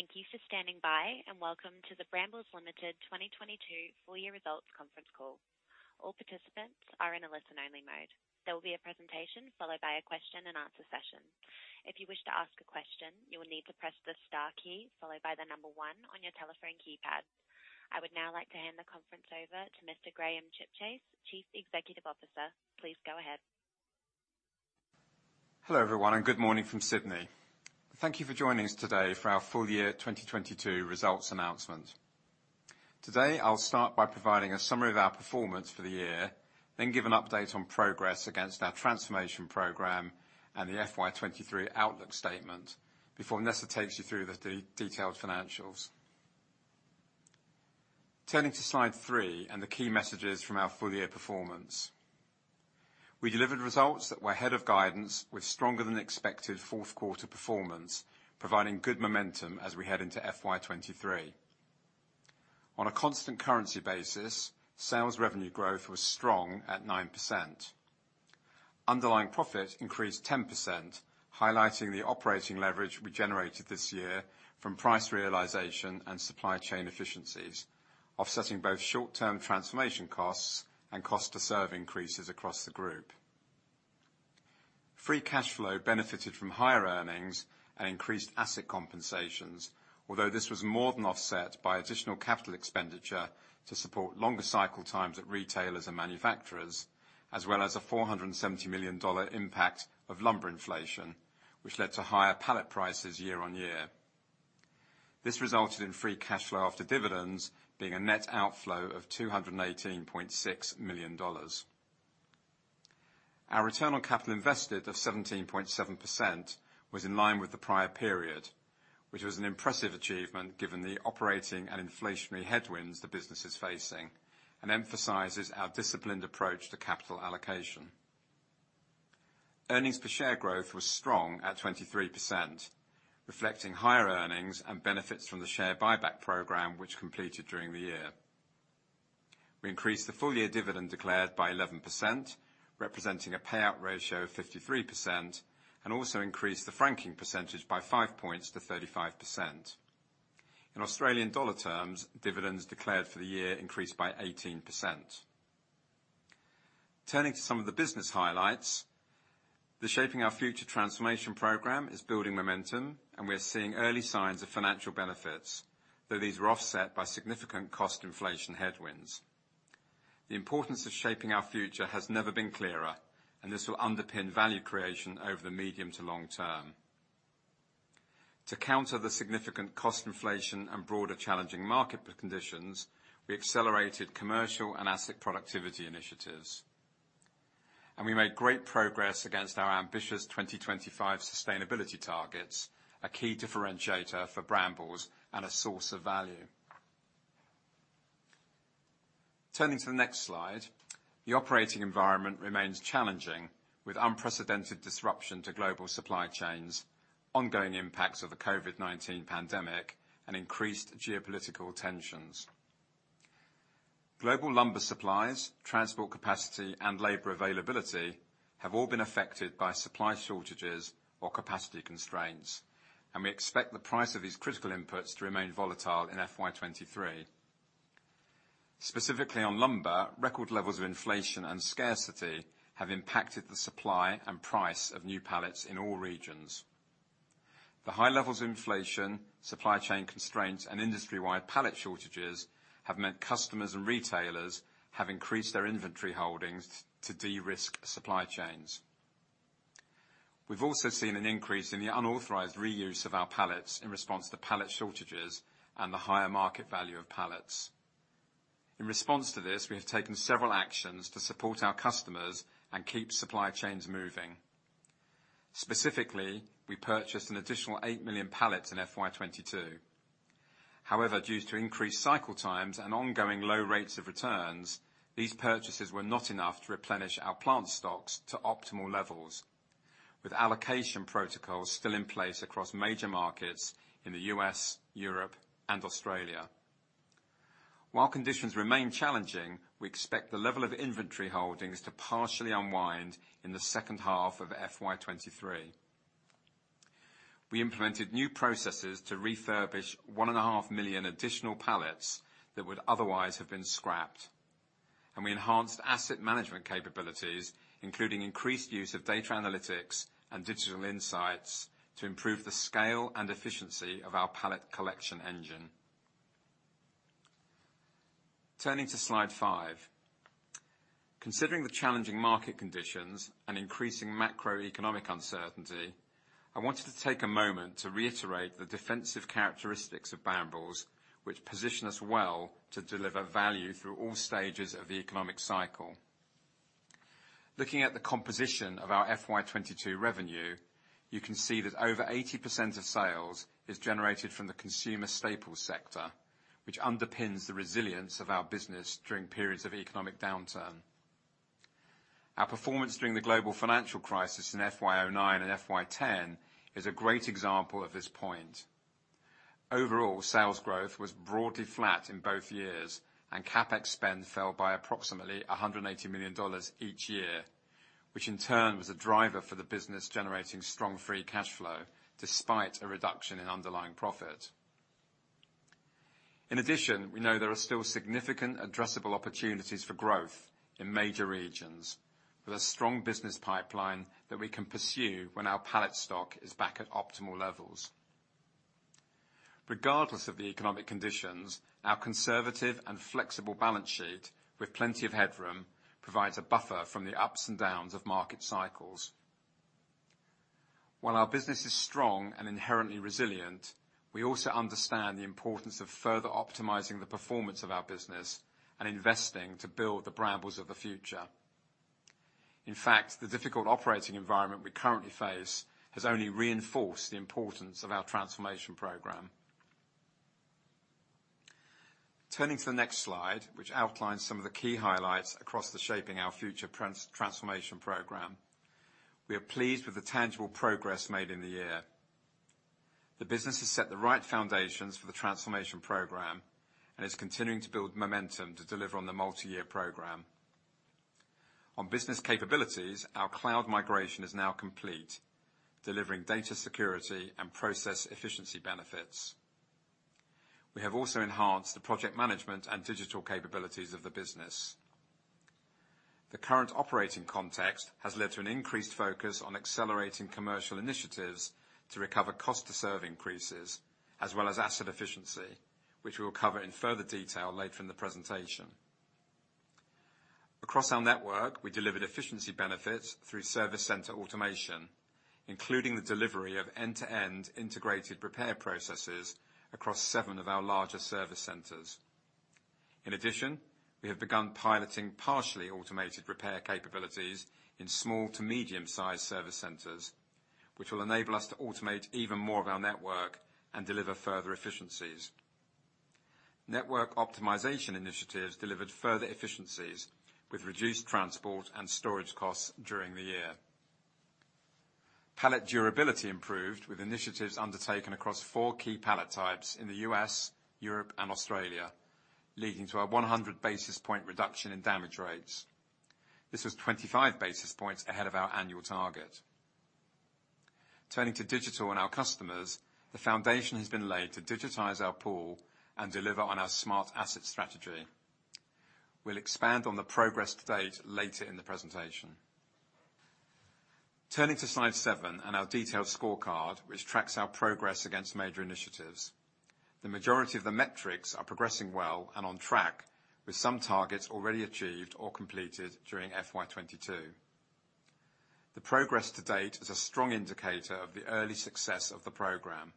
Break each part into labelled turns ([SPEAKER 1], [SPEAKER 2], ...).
[SPEAKER 1] Thank you for standing by, and welcome to the Brambles Limited 2022 full year results conference call. All participants are in a listen-only mode. There will be a presentation followed by a question and answer session. If you wish to ask a question, you will need to press the star key followed by the number one on your telephone keypad. I would now like to hand the conference over to Mr. Graham Chipchase, Chief Executive Officer. Please go ahead.
[SPEAKER 2] Hello, everyone, and good morning from Sydney. Thank you for joining us today for our full year 2022 results announcement. Today, I'll start by providing a summary of our performance for the year, then give an update on progress against our transformation program and the FY 2023 outlook statement before Nessa takes you through the detailed financials. Turning to Slide 3 and the key messages from our full year performance. We delivered results that were ahead of guidance with stronger than expected fourth quarter performance, providing good momentum as we head into FY 2023. On a constant currency basis, sales revenue growth was strong at 9%. Underlying profit increased 10%, highlighting the operating leverage we generated this year from price realization and supply chain efficiencies, offsetting both short-term transformation costs and cost to serve increases across the group. Free cash flow benefited from higher earnings and increased asset compensations. Although this was more than offset by additional capital expenditure to support longer cycle times at retailers and manufacturers, as well as a $470 million impact of lumber inflation, which led to higher pallet prices year-on-year. This resulted in free cash flow after dividends being a net outflow of $218.6 million. Our return on capital invested of 17.7% was in line with the prior period, which was an impressive achievement given the operating and inflationary headwinds the business is facing, and emphasizes our disciplined approach to capital allocation. Earnings per share growth was strong at 23%, reflecting higher earnings and benefits from the share buyback program, which completed during the year. We increased the full year dividend declared by 11%, representing a payout ratio of 53%, and also increased the franking percentage by 5 points to 35%. In Australian dollar terms, dividends declared for the year increased by 18%. Turning to some of the business highlights. The Shaping Our Future transformation program is building momentum, and we are seeing early signs of financial benefits, though these are offset by significant cost inflation headwinds. The importance of Shaping Our Future has never been clearer, and this will underpin value creation over the medium to long term. To counter the significant cost inflation and broader challenging market conditions, we accelerated commercial and asset productivity initiatives, and we made great progress against our ambitious 2025 sustainability targets, a key differentiator for Brambles and a source of value. Turning to the next slide, the operating environment remains challenging with unprecedented disruption to global supply chains, ongoing impacts of the COVID-19 pandemic, and increased geopolitical tensions. Global lumber supplies, transport capacity, and labor availability have all been affected by supply shortages or capacity constraints, and we expect the price of these critical inputs to remain volatile in FY 2023. Specifically on lumber, record levels of inflation and scarcity have impacted the supply and price of new pallets in all regions. The high levels of inflation, supply chain constraints, and industry-wide pallet shortages have meant customers and retailers have increased their inventory holdings to de-risk supply chains. We've also seen an increase in the unauthorized reuse of our pallets in response to pallet shortages and the higher market value of pallets. In response to this, we have taken several actions to support our customers and keep supply chains moving. Specifically, we purchased an additional 8 million pallets in FY 2022. However, due to increased cycle times and ongoing low rates of returns, these purchases were not enough to replenish our plant stocks to optimal levels, with allocation protocols still in place across major markets in the U.S., Europe, and Australia. While conditions remain challenging, we expect the level of inventory holdings to partially unwind in the second half of FY 2023. We implemented new processes to refurbish 1.5 million additional pallets that would otherwise have been scrapped. We enhanced asset management capabilities, including increased use of data analytics and digital insights to improve the scale and efficiency of our pallet collection engine. Turning to Slide 5. Considering the challenging market conditions and increasing macroeconomic uncertainty, I wanted to take a moment to reiterate the defensive characteristics of Brambles, which position us well to deliver value through all stages of the economic cycle. Looking at the composition of our FY 2022 revenue, you can see that over 80% of sales is generated from the consumer staples sector, which underpins the resilience of our business during periods of economic downturn. Our performance during the global financial crisis in FY 2009 and FY 2010 is a great example of this point. Overall, sales growth was broadly flat in both years, and CapEx spend fell by approximately 180 million dollars each year, which in turn was a driver for the business generating strong free cashflow despite a reduction in underlying profit. In addition, we know there are still significant addressable opportunities for growth in major regions, with a strong business pipeline that we can pursue when our pallet stock is back at optimal levels. Regardless of the economic conditions, our conservative and flexible balance sheet, with plenty of headroom, provides a buffer from the ups and downs of market cycles. While our business is strong and inherently resilient, we also understand the importance of further optimizing the performance of our business and investing to build the Brambles of the future. In fact, the difficult operating environment we currently face has only reinforced the importance of our transformation program. Turning to the next slide, which outlines some of the key highlights across the Shaping Our Future transformation program, we are pleased with the tangible progress made in the year. The business has set the right foundations for the transformation program and is continuing to build momentum to deliver on the multi-year program. On business capabilities, our cloud migration is now complete, delivering data security and process efficiency benefits. We have also enhanced the project management and digital capabilities of the business. The current operating context has led to an increased focus on accelerating commercial initiatives to recover cost to serve increases, as well as asset efficiency, which we'll cover in further detail later in the presentation. Across our network, we delivered efficiency benefits through service center automation, including the delivery of end-to-end integrated repair processes across seven of our larger service centers. In addition, we have begun piloting partially automated repair capabilities in small to medium-sized service centers, which will enable us to automate even more of our network and deliver further efficiencies. Network optimization initiatives delivered further efficiencies, with reduced transport and storage costs during the year. Pallet durability improved with initiatives undertaken across four key pallet types in the U.S., Europe, and Australia, leading to a 100 basis point reduction in damage rates. This was 25 basis points ahead of our annual target. Turning to digital and our customers, the foundation has been laid to digitize our pool and deliver on our smart asset strategy. We'll expand on the progress to date later in the presentation. Turning to Slide 7 and our detailed scorecard, which tracks our progress against major initiatives, the majority of the metrics are progressing well and on track with some targets already achieved or completed during FY 2022. The progress to date is a strong indicator of the early success of the program.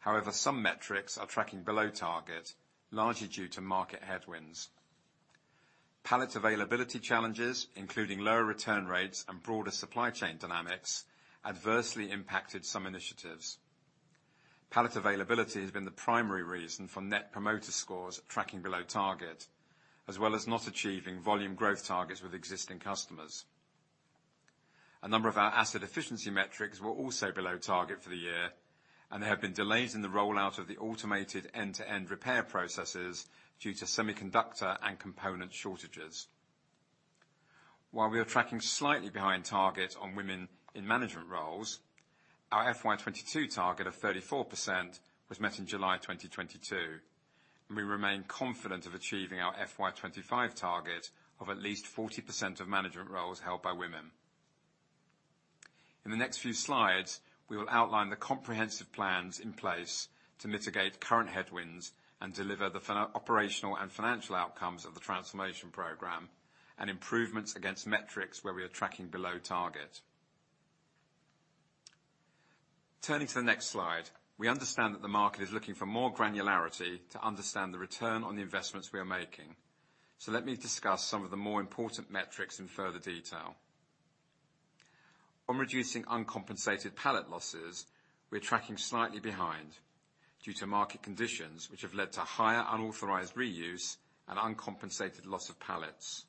[SPEAKER 2] However, some metrics are tracking below target, largely due to market headwinds. Pallet availability challenges, including lower return rates and broader supply chain dynamics, adversely impacted some initiatives. Pallet availability has been the primary reason for Net Promoter Scores tracking below target, as well as not achieving volume growth targets with existing customers. A number of our asset efficiency metrics were also below target for the year, and there have been delays in the rollout of the automated end-to-end repair processes due to semiconductor and component shortages. While we are tracking slightly behind target on women in management roles, our FY 2022 target of 34% was met in July 2022, and we remain confident of achieving our FY 2025 target of at least 40% of management roles held by women. In the next few slides, we will outline the comprehensive plans in place to mitigate current headwinds and deliver the operational and financial outcomes of the transformation program and improvements against metrics where we are tracking below target. Turning to the next slide, we understand that the market is looking for more granularity to understand the return on the investments we are making, so let me discuss some of the more important metrics in further detail. On reducing uncompensated pallet losses, we're tracking slightly behind due to market conditions which have led to higher unauthorized reuse and uncompensated loss of pallets.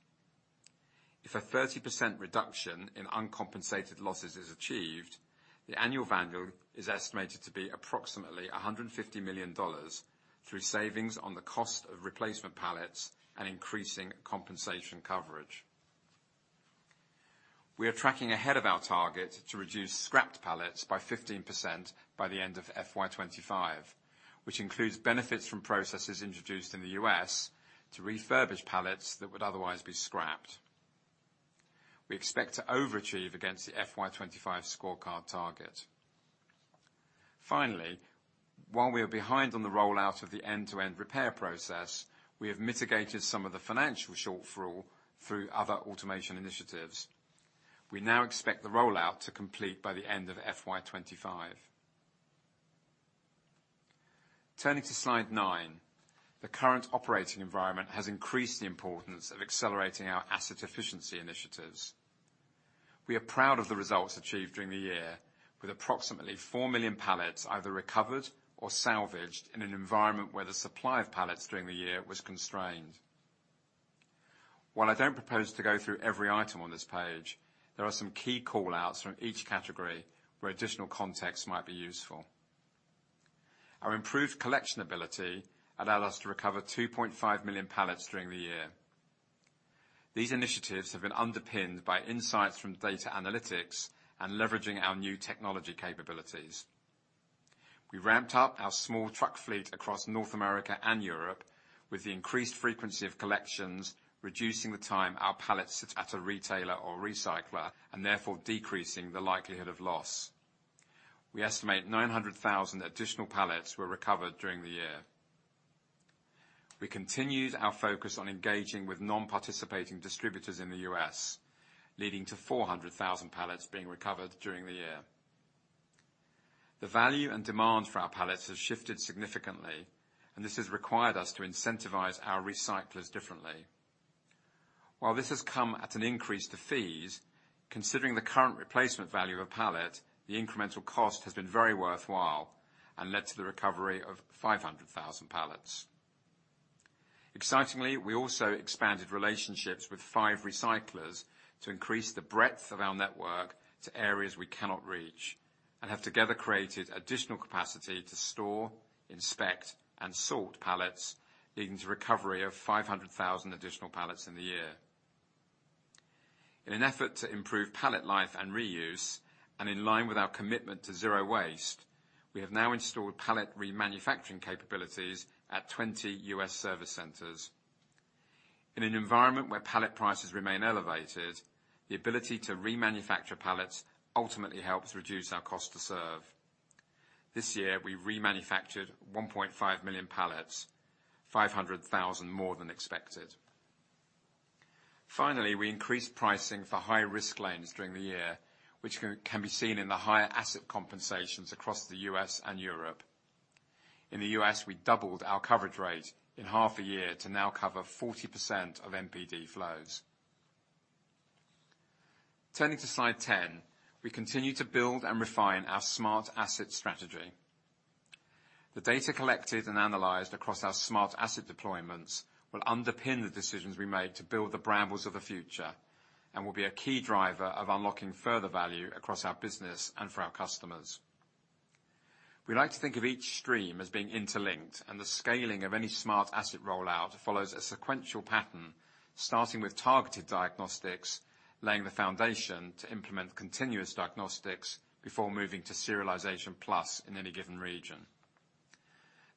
[SPEAKER 2] If a 30% reduction in uncompensated losses is achieved, the annual value is estimated to be approximately $150 million through savings on the cost of replacement pallets and increasing compensation coverage. We are tracking ahead of our target to reduce scrapped pallets by 15% by the end of FY 2025, which includes benefits from processes introduced in the U.S. to refurbish pallets that would otherwise be scrapped. We expect to overachieve against the FY 2025 scorecard target. Finally, while we are behind on the rollout of the end-to-end repair process, we have mitigated some of the financial shortfall through other automation initiatives. We now expect the rollout to complete by the end of FY 2025. Turning to Slide 9, the current operating environment has increased the importance of accelerating our asset efficiency initiatives. We are proud of the results achieved during the year with approximately 4 million pallets either recovered or salvaged in an environment where the supply of pallets during the year was constrained. While I don't propose to go through every item on this page, there are some key call-outs from each category where additional context might be useful. Our improved collection ability allowed us to recover 2.5 million pallets during the year. These initiatives have been underpinned by insights from data analytics and leveraging our new technology capabilities. We ramped up our small truck fleet across North America and Europe with the increased frequency of collections, reducing the time our pallets sit at a retailer or recycler, and therefore decreasing the likelihood of loss. We estimate 900,000 additional pallets were recovered during the year. We continued our focus on engaging with non-participating distributors in the U.S., leading to 400,000 pallets being recovered during the year. The value and demand for our pallets has shifted significantly, and this has required us to incentivize our recyclers differently. While this has come at an increase to fees, considering the current replacement value of a pallet, the incremental cost has been very worthwhile and led to the recovery of 500,000 pallets. Excitingly, we also expanded relationships with five recyclers to increase the breadth of our network to areas we cannot reach and have together created additional capacity to store, inspect, and sort pallets, leading to recovery of 500,000 additional pallets in the year. In an effort to improve pallet life and reuse, and in line with our commitment to zero waste, we have now installed pallet remanufacturing capabilities at 20 U.S. service centers. In an environment where pallet prices remain elevated, the ability to remanufacture pallets ultimately helps reduce our cost to serve. This year, we remanufactured 1.5 million pallets, 500,000 more than expected. Finally, we increased pricing for high-risk lanes during the year, which can be seen in the higher asset compensations across the U.S. and Europe. In the U.S., we doubled our coverage rate in half a year to now cover 40% of MPD flows. Turning to Slide 10, we continue to build and refine our smart asset strategy. The data collected and analyzed across our smart asset deployments will underpin the decisions we make to build the Brambles of the future and will be a key driver of unlocking further value across our business and for our customers. We like to think of each stream as being interlinked, and the scaling of any smart asset rollout follows a sequential pattern, starting with targeted diagnostics, laying the foundation to implement continuous diagnostics before moving to serialization plus in any given region.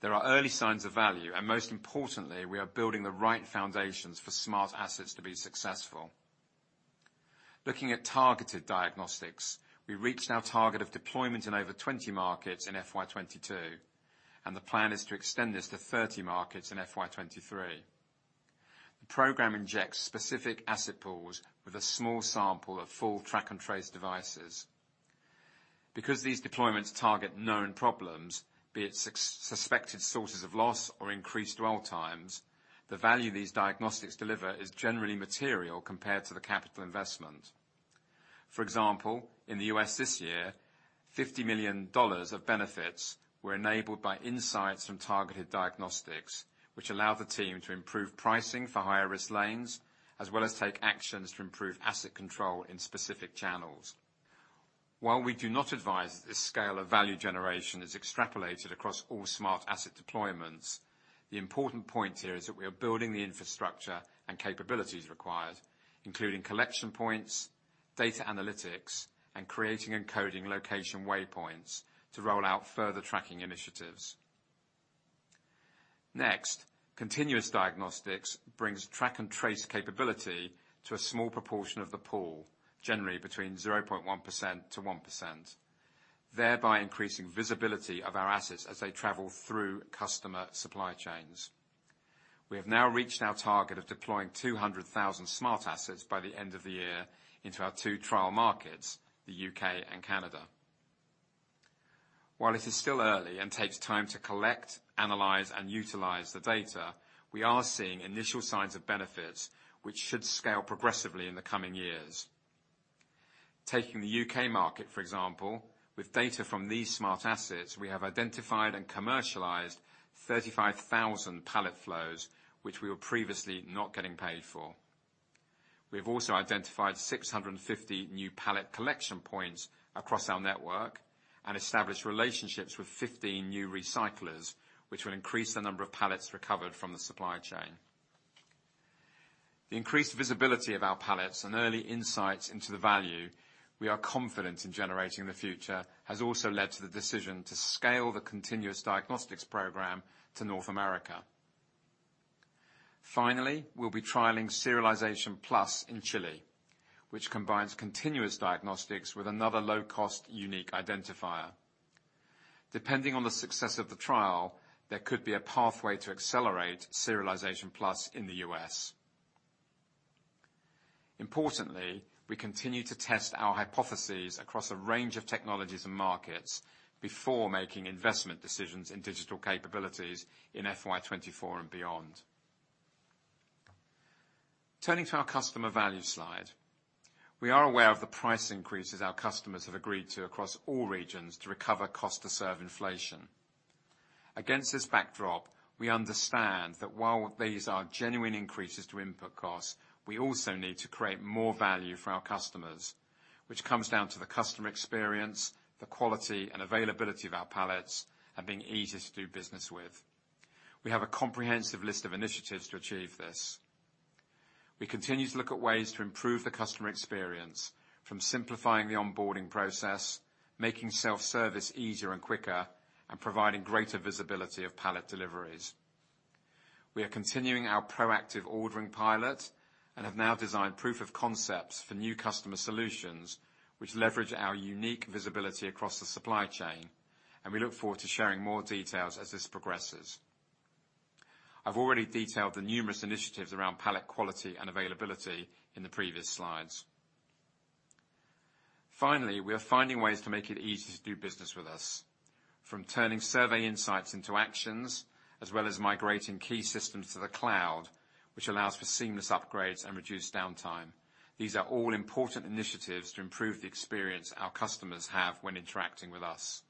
[SPEAKER 2] There are early signs of value, and most importantly, we are building the right foundations for smart assets to be successful. Looking at targeted diagnostics, we reached our target of deployment in over 20 markets in FY 2022, and the plan is to extend this to 30 markets in FY 2023. The program injects specific asset pools with a small sample of full track and trace devices. Because these deployments target known problems, be it suspected sources of loss or increased dwell times, the value these diagnostics deliver is generally material compared to the capital investment. For example, in the U.S. this year, $50 million of benefits were enabled by insights from targeted diagnostics, which allow the team to improve pricing for higher risk lanes, as well as take actions to improve asset control in specific channels. While we do not advise this scale of value generation is extrapolated across all smart asset deployments, the important point here is that we are building the infrastructure and capabilities required, including collection points, data analytics, and creating and coding location waypoints to roll out further tracking initiatives. Next, continuous diagnostics brings track and trace capability to a small proportion of the pool, generally between 0.1%-1%, thereby increasing visibility of our assets as they travel through customer supply chains. We have now reached our target of deploying 200,000 smart assets by the end of the year into our two trial markets, the U.K. and Canada. While it is still early and takes time to collect, analyze, and utilize the data, we are seeing initial signs of benefits which should scale progressively in the coming years. Taking the U.K. market, for example, with data from these smart assets, we have identified and commercialized 35,000 pallet flows which we were previously not getting paid for. We have also identified 650 new pallet collection points across our network and established relationships with 15 new recyclers, which will increase the number of pallets recovered from the supply chain. The increased visibility of our pallets and early insights into the value we are confident in generating in the future has also led to the decision to scale the continuous diagnostics program to North America. Finally, we'll be trialing Serialisation+ in Chile, which combines continuous diagnostics with another low-cost unique identifier. Depending on the success of the trial, there could be a pathway to accelerate Serialisation+ in the U.S. Importantly, we continue to test our hypotheses across a range of technologies and markets before making investment decisions in digital capabilities in FY 2024 and beyond. Turning to our customer value slide. We are aware of the price increases our customers have agreed to across all regions to recover cost to serve inflation. Against this backdrop, we understand that while these are genuine increases to input costs, we also need to create more value for our customers, which comes down to the customer experience, the quality and availability of our pallets, and being easy to do business with. We have a comprehensive list of initiatives to achieve this. We continue to look at ways to improve the customer experience from simplifying the onboarding process, making self-service easier and quicker, and providing greater visibility of pallet deliveries. We are continuing our proactive ordering pilot and have now designed proof of concepts for new customer solutions which leverage our unique visibility across the supply chain, and we look forward to sharing more details as this progresses. I've already detailed the numerous initiatives around pallet quality and availability in the previous slides. Finally, we are finding ways to make it easy to do business with us, from turning survey insights into actions, as well as migrating key systems to the cloud, which allows for seamless upgrades and reduced downtime. These are all important initiatives to improve the experience our customers have when interacting with us.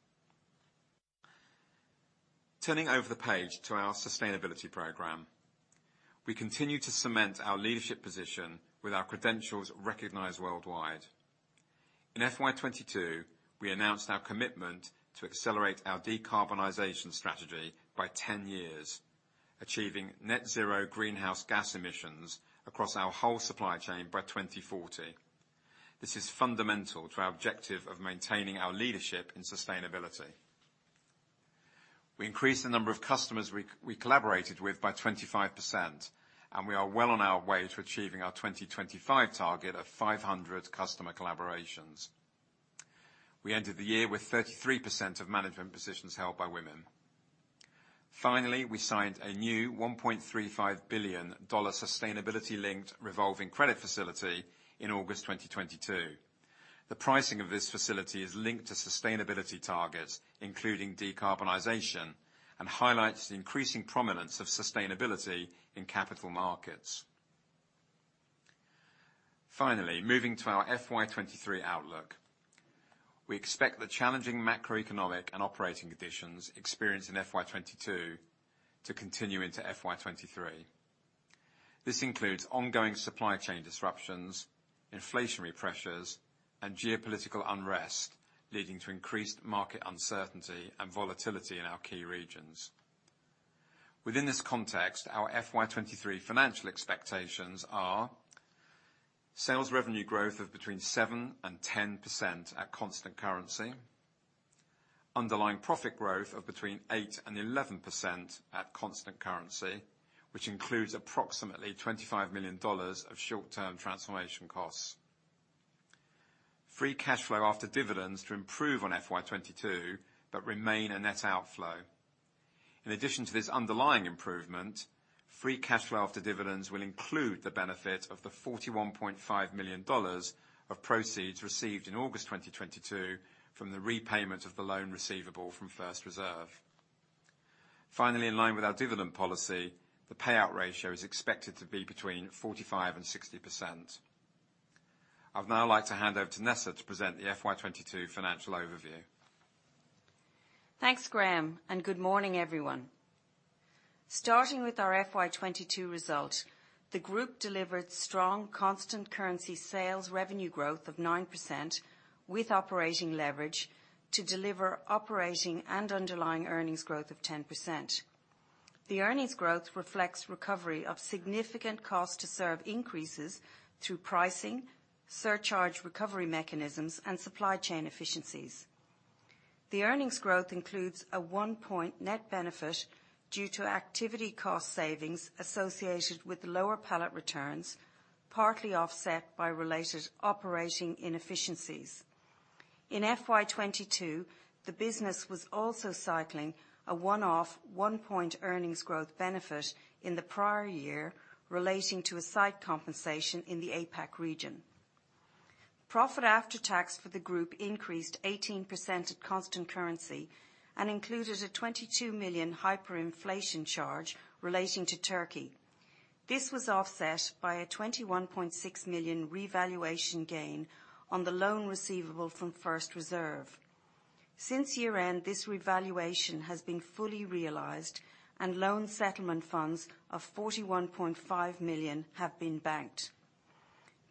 [SPEAKER 2] Turning over the page to our sustainability program. We continue to cement our leadership position with our credentials recognized worldwide. In FY 2022, we announced our commitment to accelerate our decarbonization strategy by 10 years, achieving net-zero greenhouse gas emissions across our whole supply chain by 2040. This is fundamental to our objective of maintaining our leadership in sustainability. We increased the number of customers we collaborated with by 25%, and we are well on our way to achieving our 2025 target of 500 customer collaborations. We ended the year with 33% of management positions held by women. Finally, we signed a new $1.35 billion sustainability-linked revolving credit facility in August 2022. The pricing of this facility is linked to sustainability targets, including decarbonization, and highlights the increasing prominence of sustainability in capital markets. Finally, moving to our FY 2023 outlook. We expect the challenging macroeconomic and operating conditions experienced in FY 2022 to continue into FY 2023. This includes ongoing supply chain disruptions, inflationary pressures, and geopolitical unrest, leading to increased market uncertainty and volatility in our key regions. Within this context, our FY 2023 financial expectations are sales revenue growth of between 7%-10% at constant currency. Underlying profit growth of between 8%-11% at constant currency, which includes approximately $25 million of short-term transformation costs. Free cash flow after dividends to improve on FY 2022, but remain a net outflow. In addition to this underlying improvement, free cash flow after dividends will include the benefit of the $41.5 million of proceeds received in August 2022 from the repayment of the loan receivable from First Reserve. Finally, in line with our dividend policy, the payout ratio is expected to be between 45%-60%. I'd now like to hand over to Nessa to present the FY 2022 financial overview.
[SPEAKER 3] Thanks, Graham, and good morning, everyone. Starting with our FY 2022 results, the group delivered strong constant currency sales revenue growth of 9% with operating leverage to deliver operating and underlying earnings growth of 10%. The earnings growth reflects recovery of significant cost to serve increases through pricing, surcharge recovery mechanisms, and supply chain efficiencies. The earnings growth includes a 1-point net benefit due to activity cost savings associated with lower pallet returns, partly offset by related operating inefficiencies. In FY 2022, the business was also cycling a one-off 1-point earnings growth benefit in the prior year relating to a site compensation in the APAC region. Profit after tax for the group increased 18% at constant currency and included a $22 million hyperinflation charge relating to Turkey. This was offset by a $21.6 million revaluation gain on the loan receivable from First Reserve. Since year-end, this revaluation has been fully realized and loan settlement funds of 41.5 million have been banked.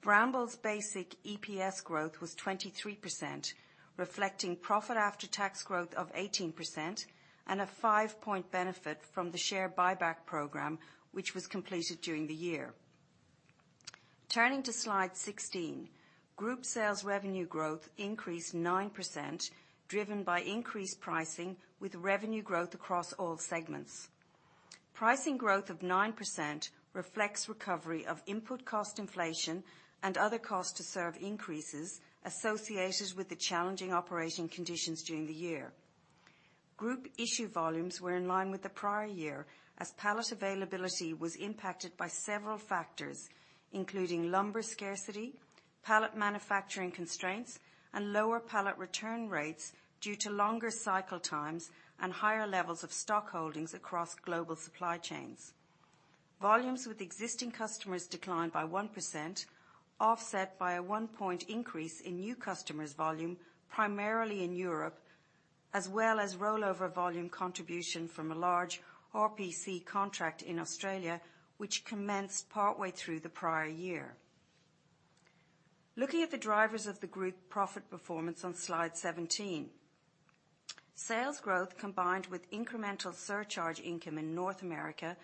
[SPEAKER 3] Brambles' basic EPS growth was 23%, reflecting profit after tax growth of 18% and a 5-point benefit from the share buyback program, which was completed during the year. Turning to Slide 16. Group sales revenue growth increased 9%, driven by increased pricing with revenue growth across all segments. Pricing growth of 9% reflects recovery of input cost inflation and other cost to serve increases associated with the challenging operating conditions during the year. Group issue volumes were in line with the prior year as pallet availability was impacted by several factors, including lumber scarcity, pallet manufacturing constraints, and lower pallet return rates due to longer cycle times and higher levels of stock holdings across global supply chains. Volumes with existing customers declined by 1%, offset by a 1-point increase in new customers volume, primarily in Europe, as well as rollover volume contribution from a large RPC contract in Australia, which commenced partway through the prior year. Looking at the drivers of the group profit performance on Slide 17. Sales growth, combined with incremental surcharge income in North America,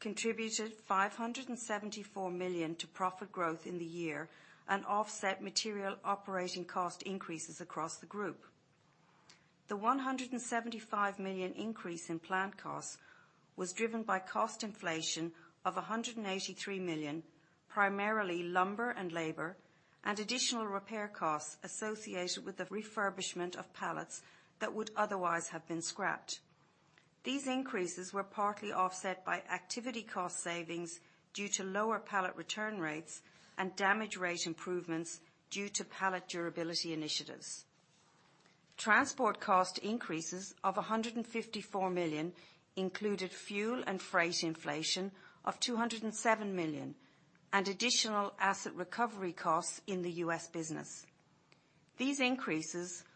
[SPEAKER 3] contributed $574 million to profit growth in the year and offset material operating cost increases across the group. The $175 million increase in plant costs was driven by cost inflation of $183 million, primarily lumber and labor, and additional repair costs associated with the refurbishment of pallets that would otherwise have been scrapped. These increases were partly offset by activity cost savings due to lower pallet return rates and damage rate improvements due to pallet durability initiatives. Transport cost increases of $154 million included fuel and freight inflation of $207 million and additional asset recovery costs in the U.S. business. These increases were partly offset by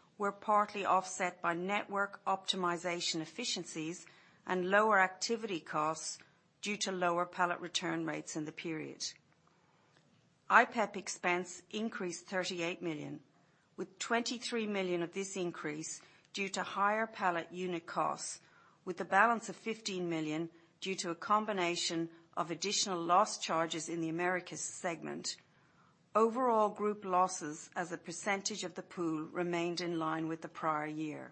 [SPEAKER 3] network optimization efficiencies and lower activity costs due `to lower pallet return rates in the period. IPEP expense increased $38 million with $23 million of this increase due to higher pallet unit costs, with a balance of $15 million due to a combination of additional loss charges in the Americas segment. Overall group losses as a percentage of the pool remained in line with the prior year.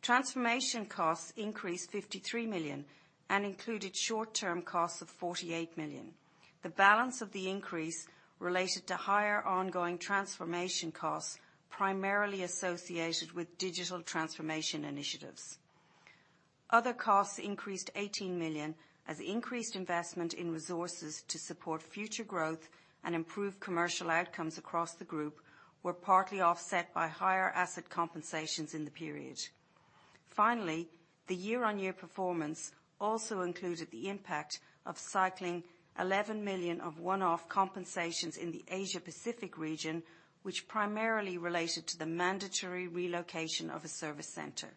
[SPEAKER 3] Transformation costs increased $53 million and included short-term costs of $48 million. The balance of the increase related to higher ongoing transformation costs, primarily associated with digital transformation initiatives. Other costs increased $18 million as increased investment in resources to support future growth and improve commercial outcomes across the group were partly offset by higher asset compensations in the period. Finally, the year-on-year performance also included the impact of cycling $11 million of one-off compensations in the Asia-Pacific region, which primarily related to the mandatory relocation of a service center.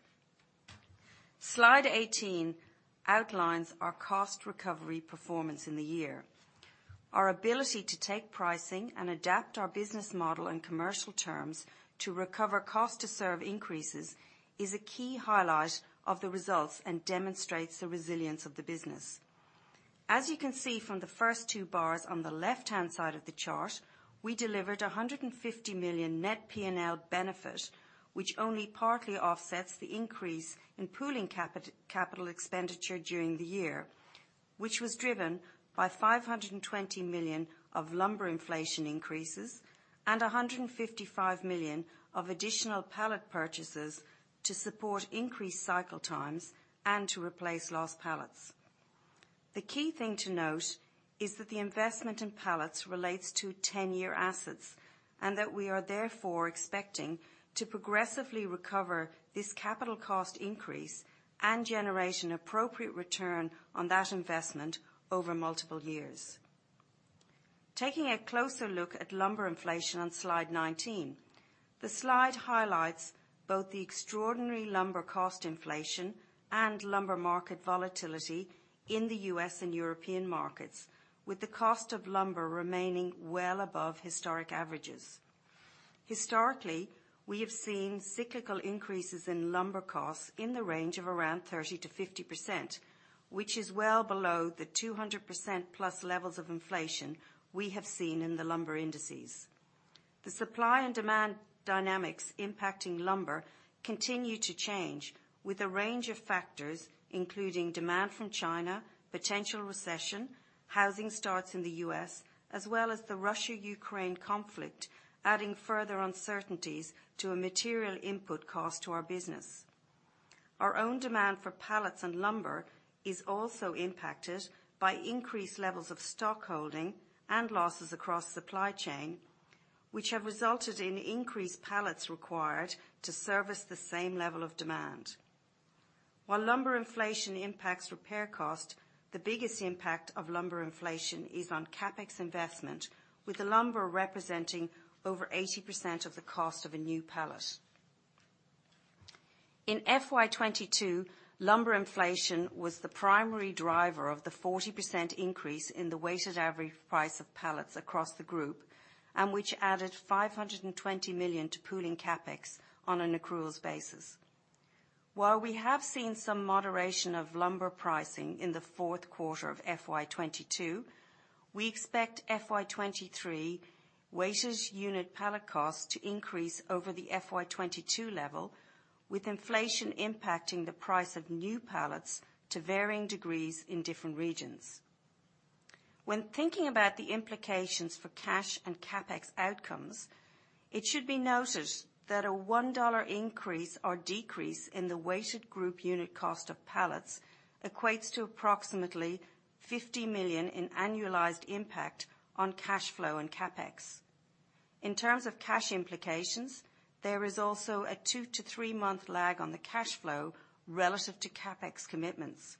[SPEAKER 3] Slide 18 outlines our cost recovery performance in the year. Our ability to take pricing and adapt our business model and commercial terms to recover cost to serve increases is a key highlight of the results and demonstrates the resilience of the business. As you can see from the first two bars on the left hand side of the chart, we delivered $150 million net P&L benefit, which only partly offsets the increase in pooling capital expenditure during the year, which was driven by $520 million of lumber inflation increases and $155 million of additional pallet purchases to support increased cycle times and to replace lost pallets. The key thing to note is that the investment in pallets relates to 10-year assets, and that we are therefore expecting to progressively recover this capital cost increase and generate an appropriate return on that investment over multiple years. Taking a closer look at lumber inflation on Slide 19. The slide highlights both the extraordinary lumber cost inflation and lumber market volatility in the U.S. and European markets, with the cost of lumber remaining well above historic averages. Historically, we have seen cyclical increases in lumber costs in the range of around 30%-50%, which is well below the 200%+ levels of inflation we have seen in the lumber indices. The supply and demand dynamics impacting lumber continue to change with a range of factors, including demand from China, potential recession, housing starts in the U.S., as well as the Russia-Ukraine conflict, adding further uncertainties to a material input cost to our business. Our own demand for pallets and lumber is also impacted by increased levels of stockholding and losses across supply chain, which have resulted in increased pallets required to service the same level of demand. While lumber inflation impacts repair cost, the biggest impact of lumber inflation is on CapEx investment, with the lumber representing over 80% of the cost of a new pallet. In FY 2022, lumber inflation was the primary driver of the 40% increase in the weighted average price of pallets across the group and which added 520 million to pooling CapEx on an accruals basis. While we have seen some moderation of lumber pricing in the fourth quarter of FY 2022, we expect FY 2023 weighted unit pallet costs to increase over the FY 2022 level, with inflation impacting the price of new pallets to varying degrees in different regions. When thinking about the implications for cash and CapEx outcomes, it should be noted that a $1 increase or decrease in the weighted group unit cost of pallets equates to approximately $50 million in annualized impact on cash flow and CapEx. In terms of cash implications, there is also a 2- to 3-month lag on the cash flow relative to CapEx commitments.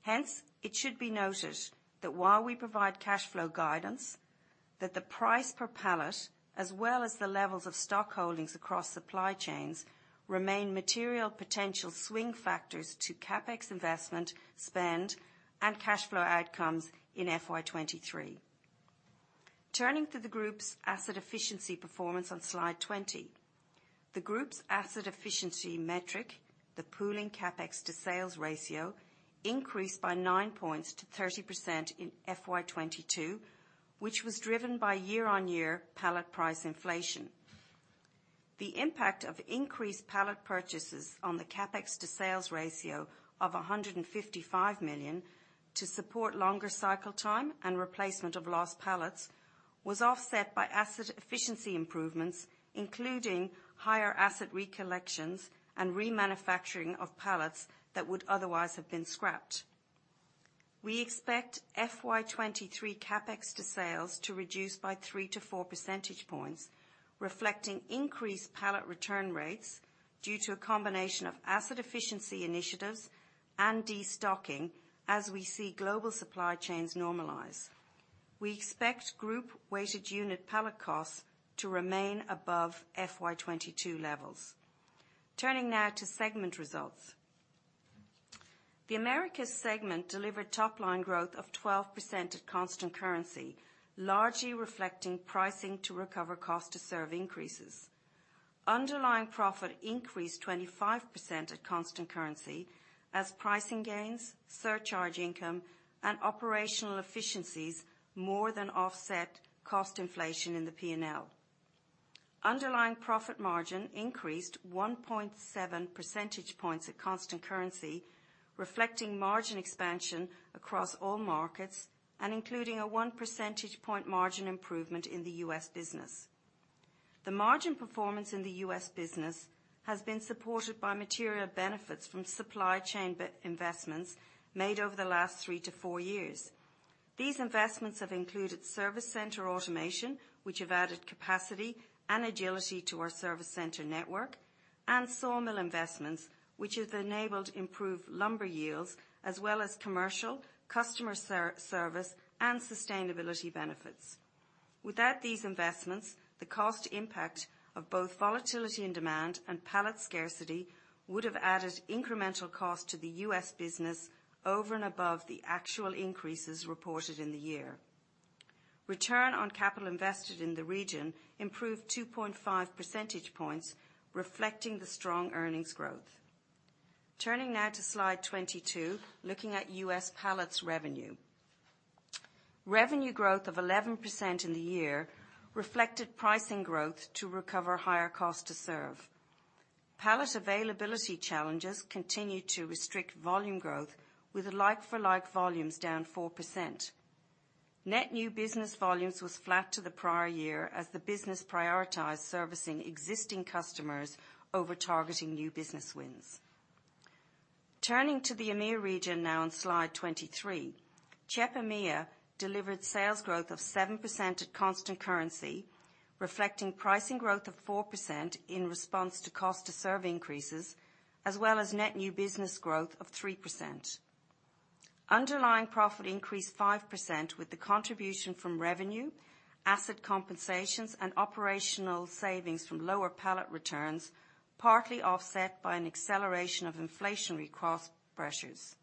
[SPEAKER 3] Hence, it should be noted that while we provide cash flow guidance, that the price per pallet, as well as the levels of stock holdings across supply chains, remain material potential swing factors to CapEx investment spend and cash flow outcomes in FY 2023. Turning to the group's asset efficiency performance on Slide 20. The group's asset efficiency metric, the pooling CapEx to sales ratio, increased by 9 points to 30% in FY 2022, which was driven by year-on-year pallet price inflation. The impact of increased pallet purchases on the CapEx to sales ratio of $155 million to support longer cycle time and replacement of lost pallets, was offset by asset efficiency improvements, including higher asset recollections and remanufacturing of pallets that would otherwise have been scrapped. We expect FY 2023 CapEx to sales to reduce by 3-4 percentage points, reflecting increased pallet return rates due to a combination of asset efficiency initiatives and destocking, as we see global supply chains normalize. We expect group weighted unit pallet costs to remain above FY 2022 levels. Turning now to segment results. The Americas segment delivered top-line growth of 12% at constant currency, largely reflecting pricing to recover cost to serve increases. Underlying profit increased 25% at constant currency as pricing gains, surcharge income, and operational efficiencies more than offset cost inflation in the P&L. Underlying profit margin increased 1.7 percentage points at constant currency, reflecting margin expansion across all markets, and including a 1 percentage point margin improvement in the U.S. Business. The margin performance in the U.S. business has been supported by material benefits from supply chain investments made over the last three-four years. These investments have included service center automation, which have added capacity and agility to our service center network, and sawmill investments, which has enabled improved lumber yields as well as commercial customer service and sustainability benefits. Without these investments, the cost impact of both volatility and demand and pallet scarcity would have added incremental cost to the U.S. business over and above the actual increases reported in the year. Return on capital invested in the region improved 2.5 percentage points, reflecting the strong earnings growth. Turning now to Slide 22, looking at U.S. pallets revenue. Revenue growth of 11% in the year reflected pricing growth to recover higher cost to serve. Pallet availability challenges continued to restrict volume growth with like-for-like volumes down 4%. Net new business volumes was flat to the prior year as the business prioritized servicing existing customers over targeting new business wins. Turning to the EMEA region now on Slide 23. CHEP EMEA delivered sales growth of 7% at constant currency, reflecting pricing growth of 4% in response to cost to serve increases, as well as net new business growth of 3%. Underlying profit increased 5% with the contribution from revenue, asset compensations, and operational savings from lower pallet returns, partly offset by an acceleration of inflationary cost pressures.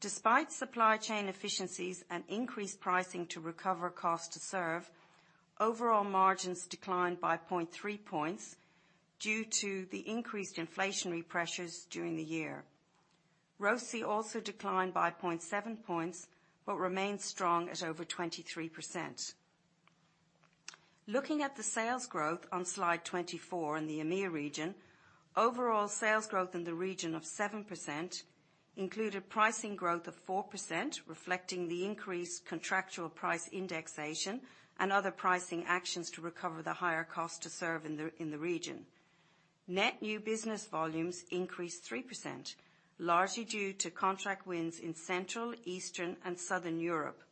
[SPEAKER 3] Despite supply chain efficiencies and increased pricing to recover cost to serve, overall margins declined by 0.3 points due to the increased inflationary pressures during the year. ROCE also declined by 0.7 points, but remains strong at over 23%. Looking at the sales growth on Slide 24 in the EMEA region, overall sales growth in the region of 7% included pricing growth of 4%, reflecting the increased contractual price indexation and other pricing actions to recover the higher cost to serve in the region. Net new business volumes increased 3%, largely due to contract wins in Central, Eastern, and Southern Europe.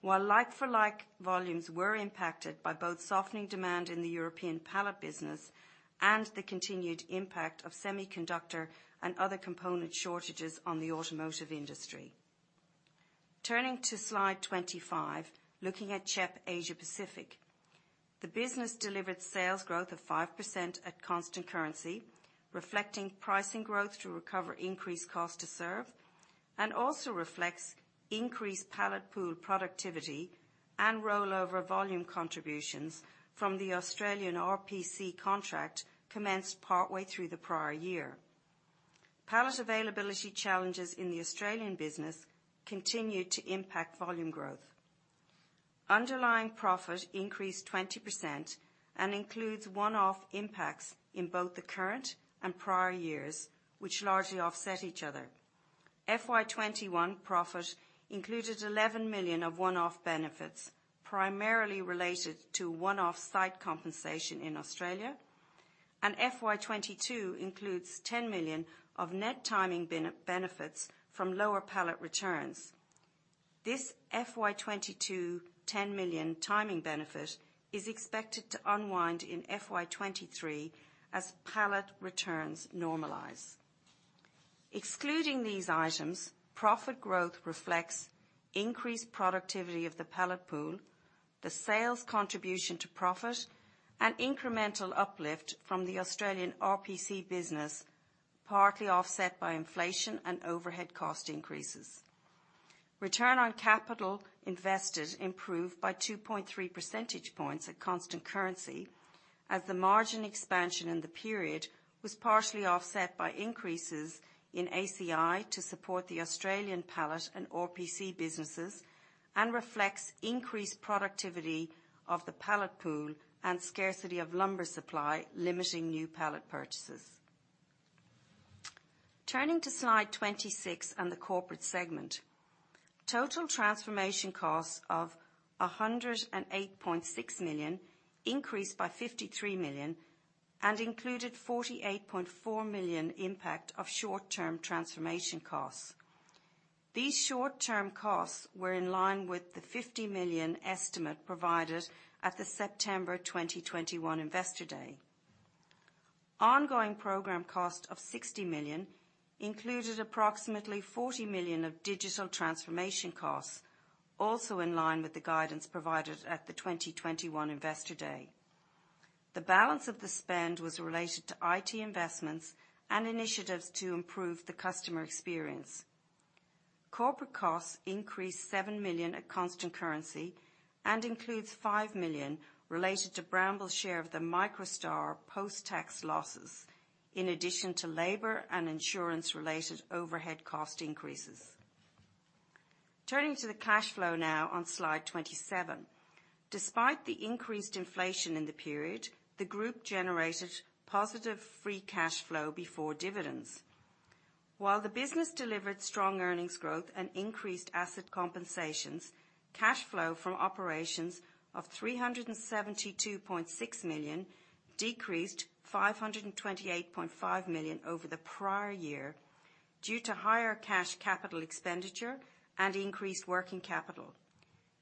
[SPEAKER 3] While like-for-like volumes were impacted by both softening demand in the European pallet business and the continued impact of semiconductor and other component shortages on the automotive industry. Turning to Slide 25, looking at CHEP Asia-Pacific. The business delivered sales growth of 5% at constant currency, reflecting pricing growth to recover increased cost to serve, and also reflects increased pallet pool productivity and rollover volume contributions from the Australian RPC contract commenced partway through the prior year. Pallet availability challenges in the Australian business continued to impact volume growth. Underlying profit increased 20% and includes one-off impacts in both the current and prior years, which largely offset each other. FY 2021 profit included $11 million of one-off benefits, primarily related to one-off site compensation in Australia. FY 2022 includes $10 million of net timing benefits from lower pallet returns. This FY 2022 $10 million timing benefit is expected to unwind in FY 2023 as pallet returns normalize. Excluding these items, profit growth reflects increased productivity of the pallet pool, the sales contribution to profit, and incremental uplift from the Australian RPC business, partly offset by inflation and overhead cost increases. Return on capital invested improved by 2.3 percentage points at constant currency, as the margin expansion in the period was partially offset by increases in ACI to support the Australian pallet and RPC businesses and reflects increased productivity of the pallet pool and scarcity of lumber supply, limiting new pallet purchases. Turning to slide 26 and the corporate segment. Total transformation costs of $108.6 million increased by $53 million and included $48.4 million impact of short-term transformation costs. These short-term costs were in line with the $50 million estimate provided at the September 2021 Investor Day. Ongoing program cost of $60 million included approximately $40 million of digital transformation costs, also in line with the guidance provided at the 2021 Investor Day. The balance of the spend was related to IT investments and initiatives to improve the customer experience. Corporate costs increased $7 million at constant currency and includes $5 million related to Brambles' share of the MicroStar post-tax losses in addition to labour and insurance-related overhead cost increases. Turning to the cash flow now on Slide 27. Despite the increased inflation in the period, the group generated positive free cash flow before dividends. While the business delivered strong earnings growth and increased asset compensations, cash flow from operations of $372.6 million decreased $528.5 million over the prior year due to higher cash capital expenditure and increased working capital.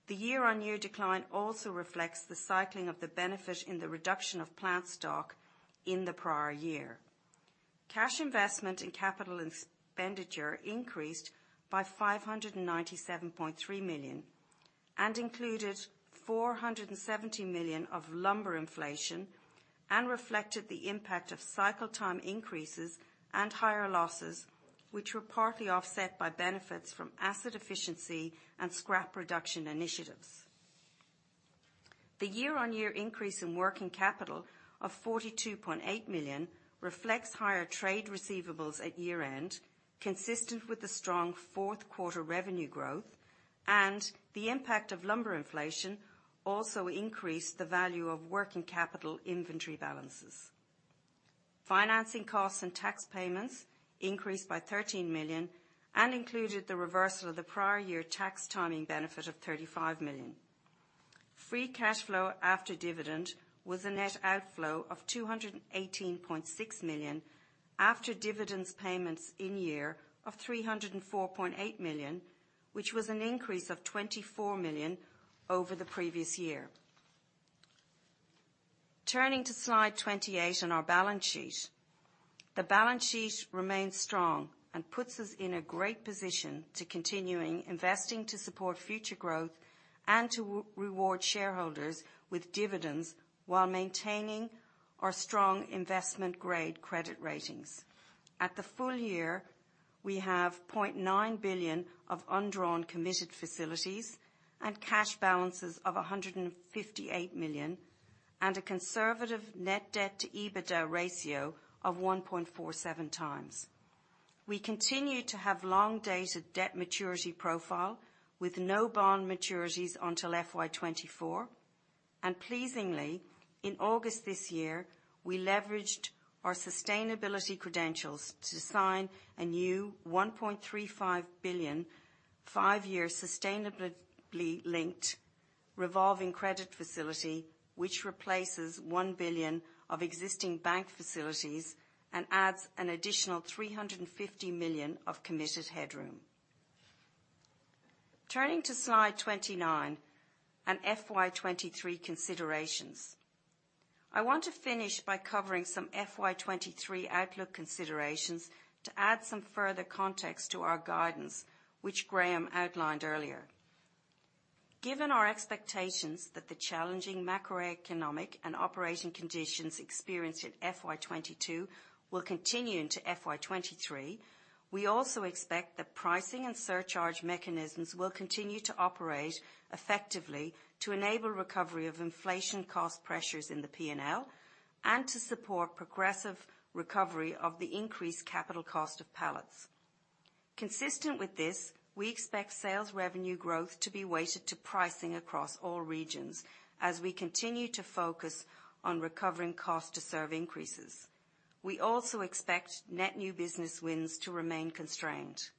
[SPEAKER 3] The year-on-year decline also reflects the cycling of the benefit in the reduction of plant stock in the prior year. Cash investment in capital expenditure increased by 597.3 million and included 470 million of lumber inflation and reflected the impact of cycle time increases and higher losses, which were partly offset by benefits from asset efficiency and scrap reduction initiatives. The year-on-year increase in working capital of 42.8 million reflects higher trade receivables at year-end, consistent with the strong fourth quarter revenue growth, and the impact of lumber inflation also increased the value of working capital inventory balances. Financing costs and tax payments increased by 13 million and included the reversal of the prior year tax timing benefit of 35 million. Free cash flow after dividend was a net outflow of $218.6 million after dividends payments in year of $304.8 million, which was an increase of $24 million over the previous year. Turning to Slide 28 on our balance sheet. The balance sheet remains strong and puts us in a great position to continuing investing to support future growth and to reward shareholders with dividends while maintaining our strong investment-grade credit ratings. At the full year, we have $0.9 billion of undrawn committed facilities and cash balances of $158 million and a conservative net debt-to-EBITDA ratio of 1.47 times. We continue to have long dated debt maturity profile with no bond maturities until FY 2024. Pleasingly, in August this year, we leveraged our sustainability credentials to sign a new 1.35 billion, five-year sustainability-linked revolving credit facility, which replaces 1 billion of existing bank facilities and adds an additional 350 million of committed headroom. Turning to Slide 29 and FY 2023 considerations. I want to finish by covering some FY 2023 outlook considerations to add some further context to our guidance, which Graham outlined earlier. Given our expectations that the challenging macroeconomic and operating conditions experienced in FY 2022 will continue into FY 2023, we also expect that pricing and surcharge mechanisms will continue to operate effectively to enable recovery of inflation cost pressures in the P&L and to support progressive recovery of the increased capital cost of pallets. Consistent with this, we expect sales revenue growth to be weighted to pricing across all regions as we continue to focus on recovering cost to serve increases. We also expect net new business wins to remain constrained.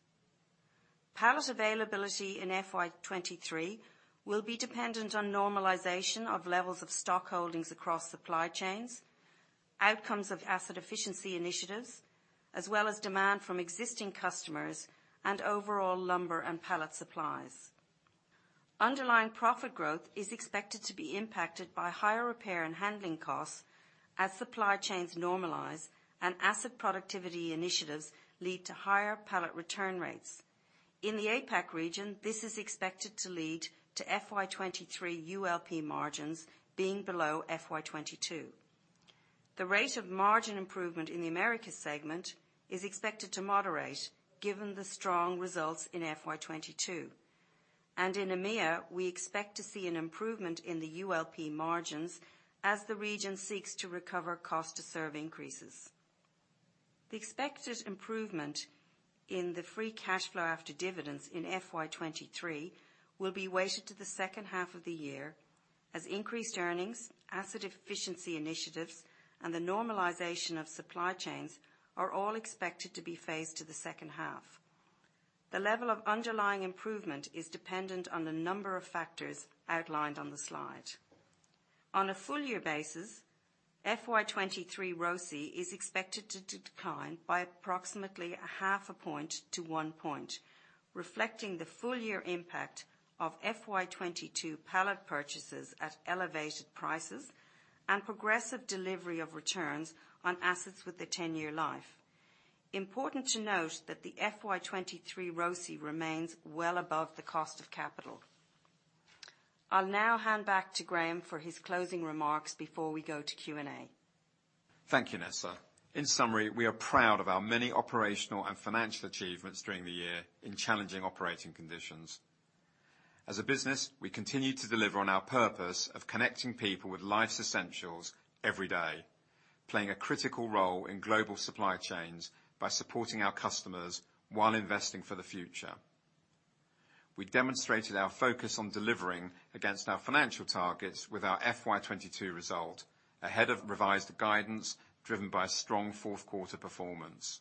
[SPEAKER 3] Pallet availability in FY 2023 will be dependent on normalization of levels of stock holdings across supply chains, outcomes of asset efficiency initiatives, as well as demand from existing customers and overall lumber and pallet supplies. Underlying profit growth is expected to be impacted by higher repair and handling costs as supply chains normalize and asset productivity initiatives lead to higher pallet return rates. In the APAC region, this is expected to lead to FY 2023 ULP margins being below FY 2022. The rate of margin improvement in the Americas segment is expected to moderate given the strong results in FY 2022. In EMEA, we expect to see an improvement in the ULP margins as the region seeks to recover cost to serve increases. The expected improvement in the free cash flow after dividends in FY 2023 will be weighted to the second half of the year as increased earnings, asset efficiency initiatives, and the normalization of supply chains are all expected to be phased to the second half. The level of underlying improvement is dependent on the number of factors outlined on the slide. On a full year basis, FY 2023 ROCE is expected to decline by approximately 0.5-1 point, reflecting the full year impact of FY 2022 pallet purchases at elevated prices and progressive delivery of returns on assets with a 10-year life. Important to note that the FY 203 ROCE remains well above the cost of capital. I'll now hand back to Graham for his closing remarks before we go to Q&A.
[SPEAKER 2] Thank you, Nessa. In summary, we are proud of our many operational and financial achievements during the year in challenging operating conditions. As a business, we continue to deliver on our purpose of connecting people with life's essentials every day, playing a critical role in global supply chains by supporting our customers while investing for the future. We demonstrated our focus on delivering against our financial targets with our FY 2022 result, ahead of revised guidance driven by strong fourth quarter performance.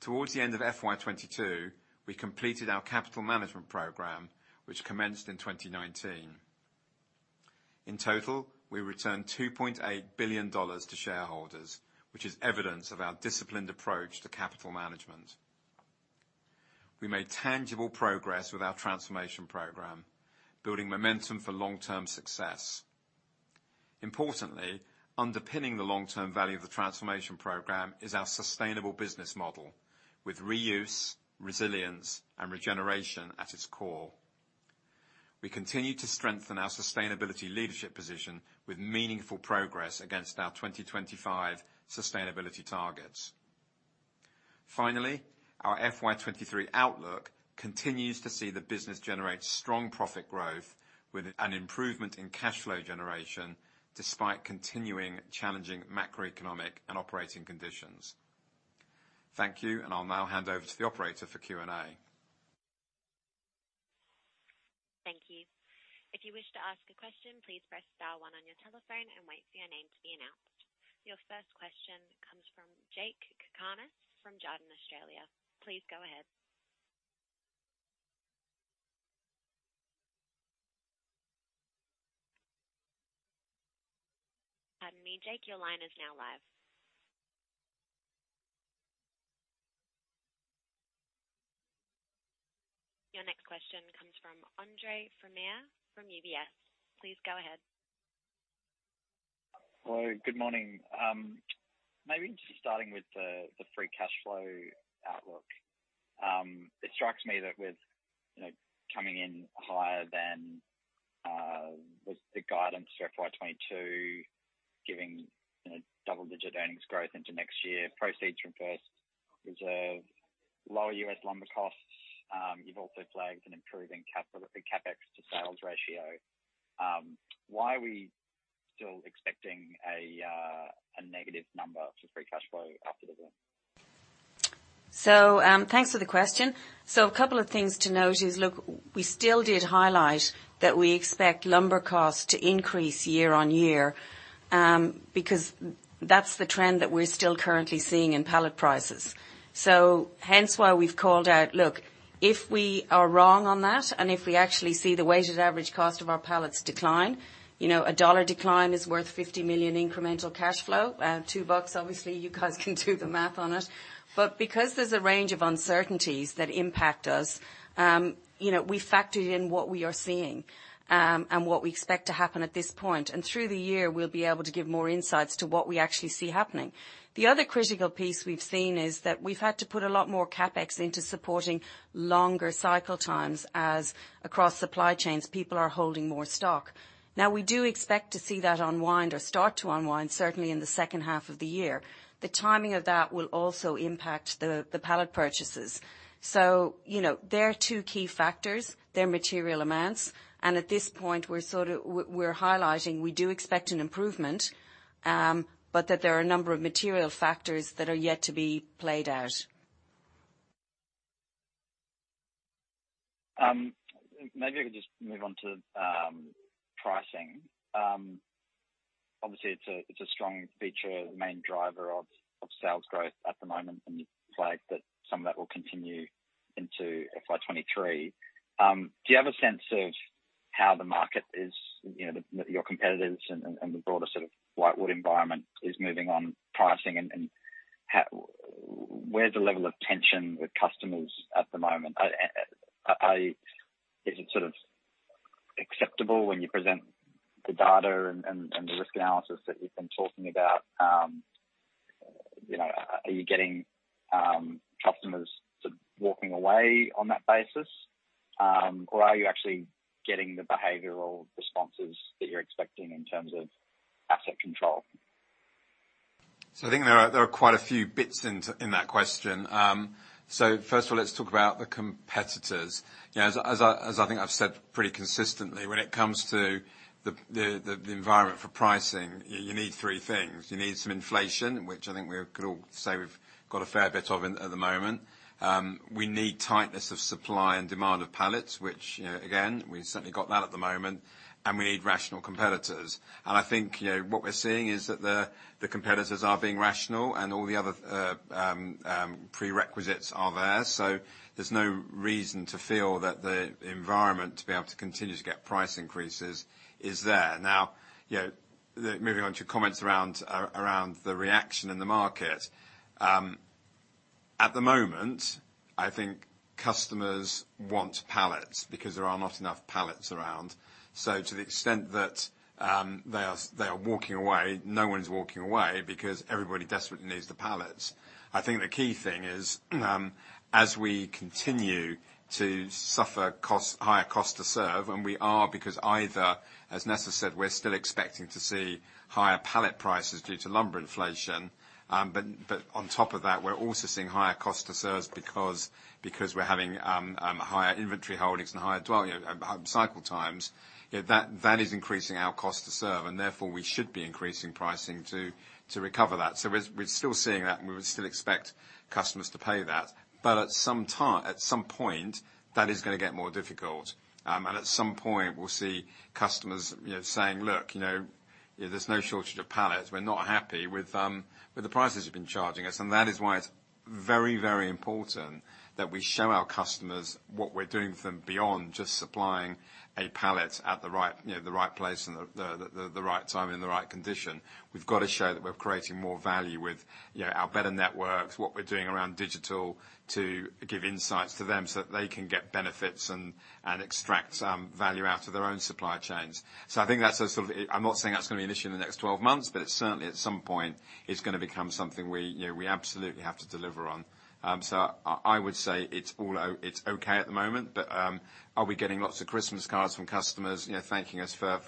[SPEAKER 2] Towards the end of FY 2022, we completed our capital management program, which commenced in 2019. In total, we returned $2.8 billion to shareholders, which is evidence of our disciplined approach to capital management. We made tangible progress with our transformation program, building momentum for long-term success. Importantly, underpinning the long-term value of the transformation program is our sustainable business model with reuse, resilience, and regeneration at its core. We continue to strengthen our sustainability leadership position with meaningful progress against our 2025 sustainability targets. Finally, our FY 2023 outlook continues to see the business generate strong profit growth with an improvement in cash flow generation despite continuing challenging macroeconomic and operating conditions. Thank you, and I'll now hand over to the operator for Q&A.
[SPEAKER 1] Thank you. If you wish to ask a question, please press star one on your telephone and wait for your name to be announced. Your first question comes from Jakob Cakarnis from Jarden Australia. Please go ahead. Pardon me, Jakob. Your line is now live. Your next question comes from Andre Fromyhr from UBS. Please go ahead.
[SPEAKER 4] Hello. Good morning. Maybe just starting with the free cash flow outlook. It strikes me that with, you know, coming in higher than with the guidance for FY 2022 giving, you know, double-digit earnings growth into next year, proceeds from First Reserve, lower U.S. lumber costs, you've also flagged an improving CapEx to sales ratio. Why are we still expecting a negative number to free cash flow after the win?
[SPEAKER 3] Thanks for the question. A couple of things to note is, look, we still did highlight that we expect lumber costs to increase year-on-year, because that's the trend that we're still currently seeing in pallet prices. Hence why we've called out, look, if we are wrong on that, and if we actually see the weighted average cost of our pallets decline, you know, a $1 decline is worth $50 million incremental cash flow. $2, obviously you guys can do the math on it. Because there's a range of uncertainties that impact us, you know, we factored in what we are seeing, and what we expect to happen at this point. Through the year, we'll be able to give more insights to what we actually see happening. The other critical piece we've seen is that we've had to put a lot more CapEx into supporting longer cycle times as across supply chains, people are holding more stock. Now, we do expect to see that unwind or start to unwind, certainly in the second half of the year. The timing of that will also impact the pallet purchases. You know, there are two key factors. They're material amounts. At this point, we're highlighting we do expect an improvement, but that there are a number of material factors that are yet to be played out.
[SPEAKER 4] Maybe I could just move on to pricing. Obviously it's a strong feature, the main driver of sales growth at the moment, and you flag that some of that will continue into FY 2023. Do you have a sense of how the market is, you know, your competitors and the broader sort of white wood environment is moving on pricing? How's the level of tension with customers at the moment? Is it sort of acceptable when you present the data and the risk analysis that you've been talking about? You know, are you getting customers sort of walking away on that basis, or are you actually getting the behavioral responses that you're expecting in terms of asset control?
[SPEAKER 2] I think there are quite a few bits in that question. First of all, let's talk about the competitors. You know, as I think I've said pretty consistently, when it comes to the environment for pricing, you need three things. You need some inflation, which I think we could all say we've got a fair bit of in it at the moment. We need tightness of supply and demand of pallets, which, you know, again, we've certainly got that at the moment. And we need rational competitors. And I think, you know, what we're seeing is that the competitors are being rational and all the other prerequisites are there. There's no reason to feel that the environment to be able to continue to get price increases is there. Now, you know, moving on to comments around the reaction in the market. At the moment, I think customers want pallets because there are not enough pallets around. To the extent that they are walking away, no one's walking away because everybody desperately needs the pallets. I think the key thing is, as we continue to suffer higher cost to serve, and we are because either, as Nessa said, we're still expecting to see higher pallet prices due to lumber inflation. But on top of that, we're also seeing higher cost to serve because we're having higher inventory holdings and higher dwell, you know, cycle times. That is increasing our cost to serve, and therefore we should be increasing pricing to recover that. We're still seeing that, and we would still expect customers to pay that. At some time, at some point, that is gonna get more difficult. At some point, we'll see customers, you know, saying, "Look, you know, there's no shortage of pallets. We're not happy with the prices you've been charging us." That is why it's very, very important that we show our customers what we're doing for them beyond just supplying a pallet at the right, you know, the right place and the right time and the right condition. We've got to show that we're creating more value with, you know, our better networks, what we're doing around digital to give insights to them so that they can get benefits and extract some value out of their own supply chains. I think that's. I'm not saying that's gonna be an issue in the next 12 months, but it certainly at some point is gonna become something we, you know, we absolutely have to deliver on. I would say it's okay at the moment, but are we getting lots of Christmas cards from customers, you know, thanking us for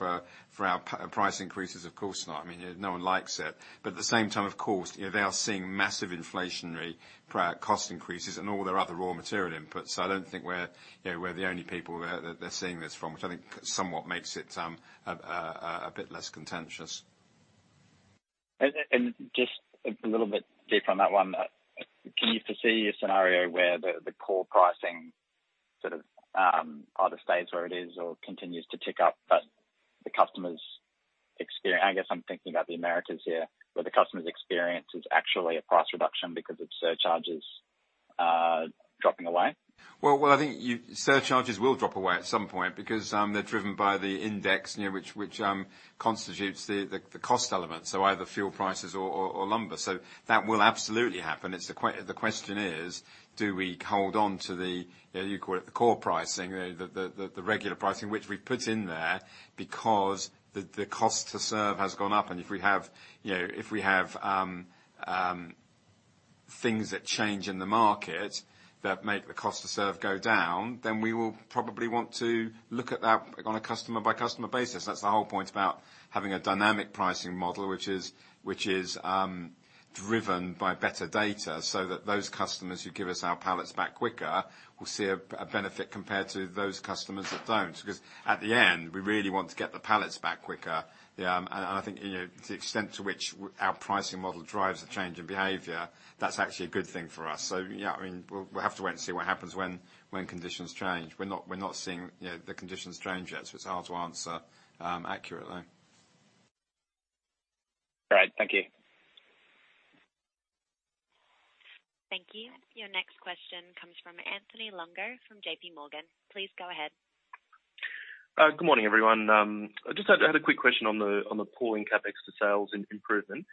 [SPEAKER 2] our price increases? Of course not. I mean, no one likes it. At the same time, of course, you know, they are seeing massive inflationary cost increases and all their other raw material inputs. I don't think we're, you know, we're the only people they're seeing this from, which I think somewhat makes it a bit less contentious.
[SPEAKER 4] Just a little bit deeper on that one. Can you foresee a scenario where the core pricing sort of either stays where it is or continues to tick up, but the customer's experience, I guess I'm thinking about the Americas here, where the customer's experience is actually a price reduction because of surcharges dropping away?
[SPEAKER 2] Well, well, I think surcharges will drop away at some point because they're driven by the index, you know, which constitutes the cost element, so either fuel prices or lumber. So that will absolutely happen. It's the question is, do we hold on to the, you know, you call it the core pricing, the regular pricing which we put in there because the cost to serve has gone up. If we have, you know, if we have things that change in the market that make the cost to serve go down, then we will probably want to look at that on a customer by customer basis. That's the whole point about having a dynamic pricing model, which is driven by better data, so that those customers who give us our pallets back quicker will see a benefit compared to those customers that don't. Because at the end, we really want to get the pallets back quicker. I think, you know, the extent to which our pricing model drives a change in behavior, that's actually a good thing for us. Yeah, I mean, we'll have to wait and see what happens when conditions change. We're not seeing, you know, the conditions change yet, so it's hard to answer accurately.
[SPEAKER 4] Right. Thank you.
[SPEAKER 1] Thank you. Your next question comes from Anthony Longo from JP Morgan. Please go ahead.
[SPEAKER 5] Good morning, everyone. I just had a quick question on the pooling CapEx to sales improvement.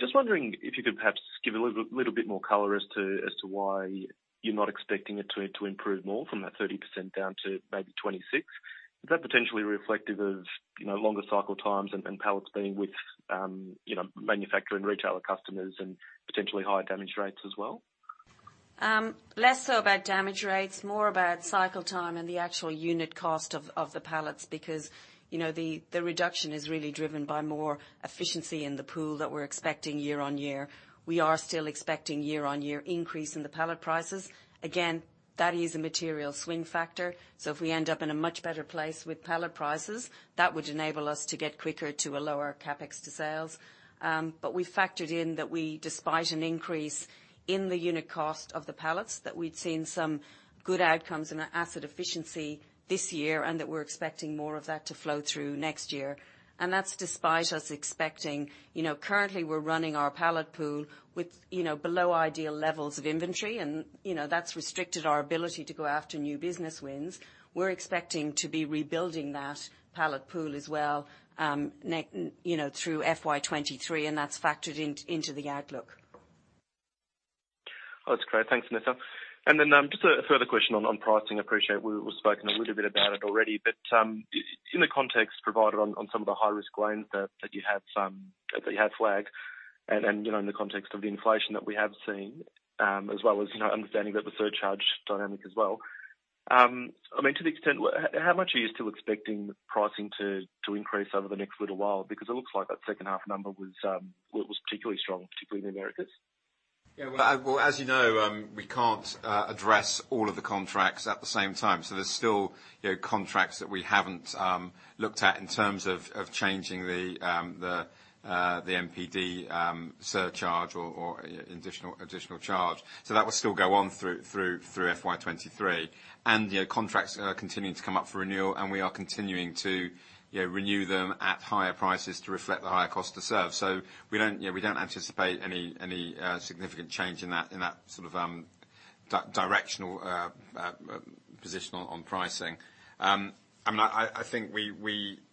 [SPEAKER 5] Just wondering if you could perhaps give a little bit more color as to why you're not expecting it to improve more from that 30% down to maybe 26%. Is that potentially reflective of, you know, longer cycle times and pallets being with, you know, manufacturing retailer customers and potentially higher damage rates as well?
[SPEAKER 3] Less so about damage rates, more about cycle time and the actual unit cost of the pallets because, you know, the reduction is really driven by more efficiency in the pool that we're expecting year on year. We are still expecting year-on-year increase in the pallet prices. Again, that is a material swing factor. If we end up in a much better place with pallet prices, that would enable us to get quicker to a lower CapEx to sales. But we factored in that despite an increase in the unit cost of the pallets, that we'd seen some good outcomes in our asset efficiency this year, and that we're expecting more of that to flow through next year. That's despite us expecting. You know currently we're running our pallet pool with, you know, below ideal levels of inventory and, you know, that's restricted our ability to go after new business wins. We're expecting to be rebuilding that pallet pool as well, you know, through FY 2023, and that's factored in into the outlook.
[SPEAKER 5] Oh, that's great. Thanks, Nessa. Just a further question on pricing. I appreciate we've spoken a little bit about it already, but in the context provided on some of the high risk zones that you had flagged and you know, in the context of the inflation that we have seen, as well as you know, understanding about the surcharge dynamic as well. I mean, to the extent, how much are you still expecting the pricing to increase over the next little while? Because it looks like that second half number was particularly strong, particularly in the Americas.
[SPEAKER 2] Yeah. Well, as you know, we can't address all of the contracts at the same time. There's still, you know, contracts that we haven't looked at in terms of changing the NPD surcharge or additional charge. That will still go on through FY 2023. Contracts are continuing to come up for renewal, and we are continuing to, you know, renew them at higher prices to reflect the higher cost to serve. We don't, you know, anticipate any significant change in that sort of directional position on pricing. I mean, I think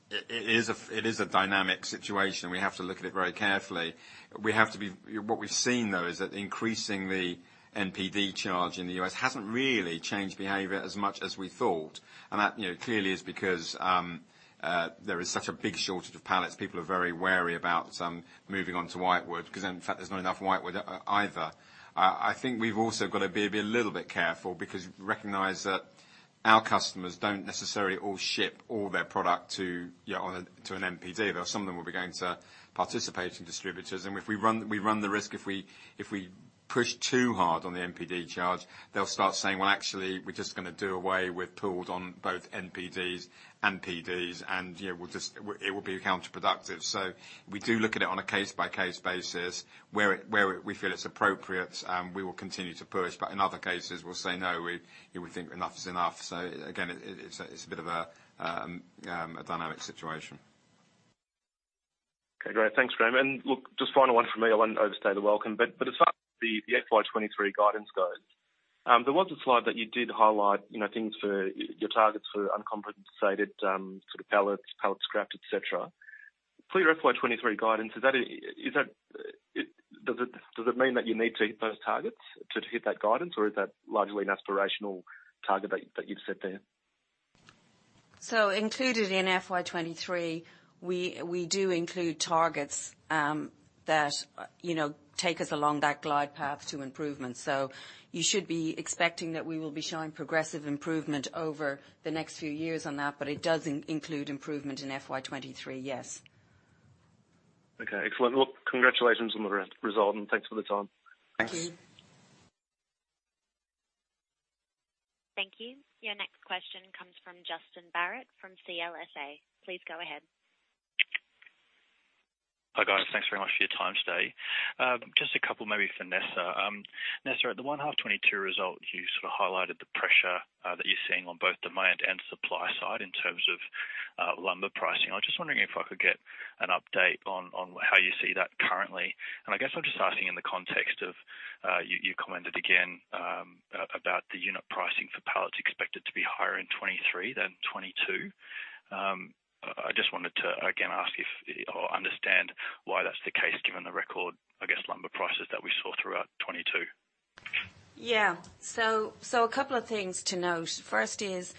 [SPEAKER 2] it is a dynamic situation. We have to look at it very carefully. We have to be. What we've seen, though, is that increasing the NPD charge in the U.S. hasn't really changed behavior as much as we thought. That, you know, clearly is because there is such a big shortage of pallets. People are very wary about moving on to whitewood because in fact, there's not enough whitewood either. I think we've also got to be a little bit careful because recognize that our customers don't necessarily all ship all their product to, you know, to an NPD, though some of them will be going to participating distributors. We run the risk if we push too hard on the NPD charge, they'll start saying, "Well, actually, we're just gonna do away with pooled on both NPDs and PDs," and, you know, it will be counterproductive. We do look at it on a case-by-case basis where we feel it's appropriate, we will continue to push, but in other cases, we'll say, "No, we think enough is enough." Again, it's a bit of a dynamic situation.
[SPEAKER 5] Okay, great. Thanks, Graham. Look, just final one for me. I won't overstay the welcome. As far as the FY 2023 guidance goes, there was a slide that you did highlight, you know, things for your targets for uncompensated, sort of pallets, pallet scrap, et cetera. For your FY 2023 guidance, does it mean that you need to hit those targets to hit that guidance, or is that largely an aspirational target that you've set there?
[SPEAKER 3] Included in FY 2023, we do include targets that, you know, take us along that glide path to improvement. You should be expecting that we will be showing progressive improvement over the next few years on that, but it does include improvement in FY 2023, yes.
[SPEAKER 5] Okay, excellent. Look, congratulations on the result, and thanks for the time.
[SPEAKER 3] Thanks.
[SPEAKER 2] Thank you.
[SPEAKER 1] Thank you. Your next question comes from Justin Barratt from CLSA. Please go ahead.
[SPEAKER 6] Hi, guys. Thanks very much for your time today. Just a couple maybe for Nessa. Nessa, at the 1H 2022 result, you sort of highlighted the pressure that you're seeing on both demand and supply side in terms of lumber pricing. I was just wondering if I could get an update on how you see that currently. I guess I'm just asking in the context of you commented again about the unit pricing for pallets expected to be higher in 2023 than 2022. I just wanted to again ask if or understand why that's the case, given the record, I guess, lumber prices that we saw throughout 2022.
[SPEAKER 3] A couple of things to note. First is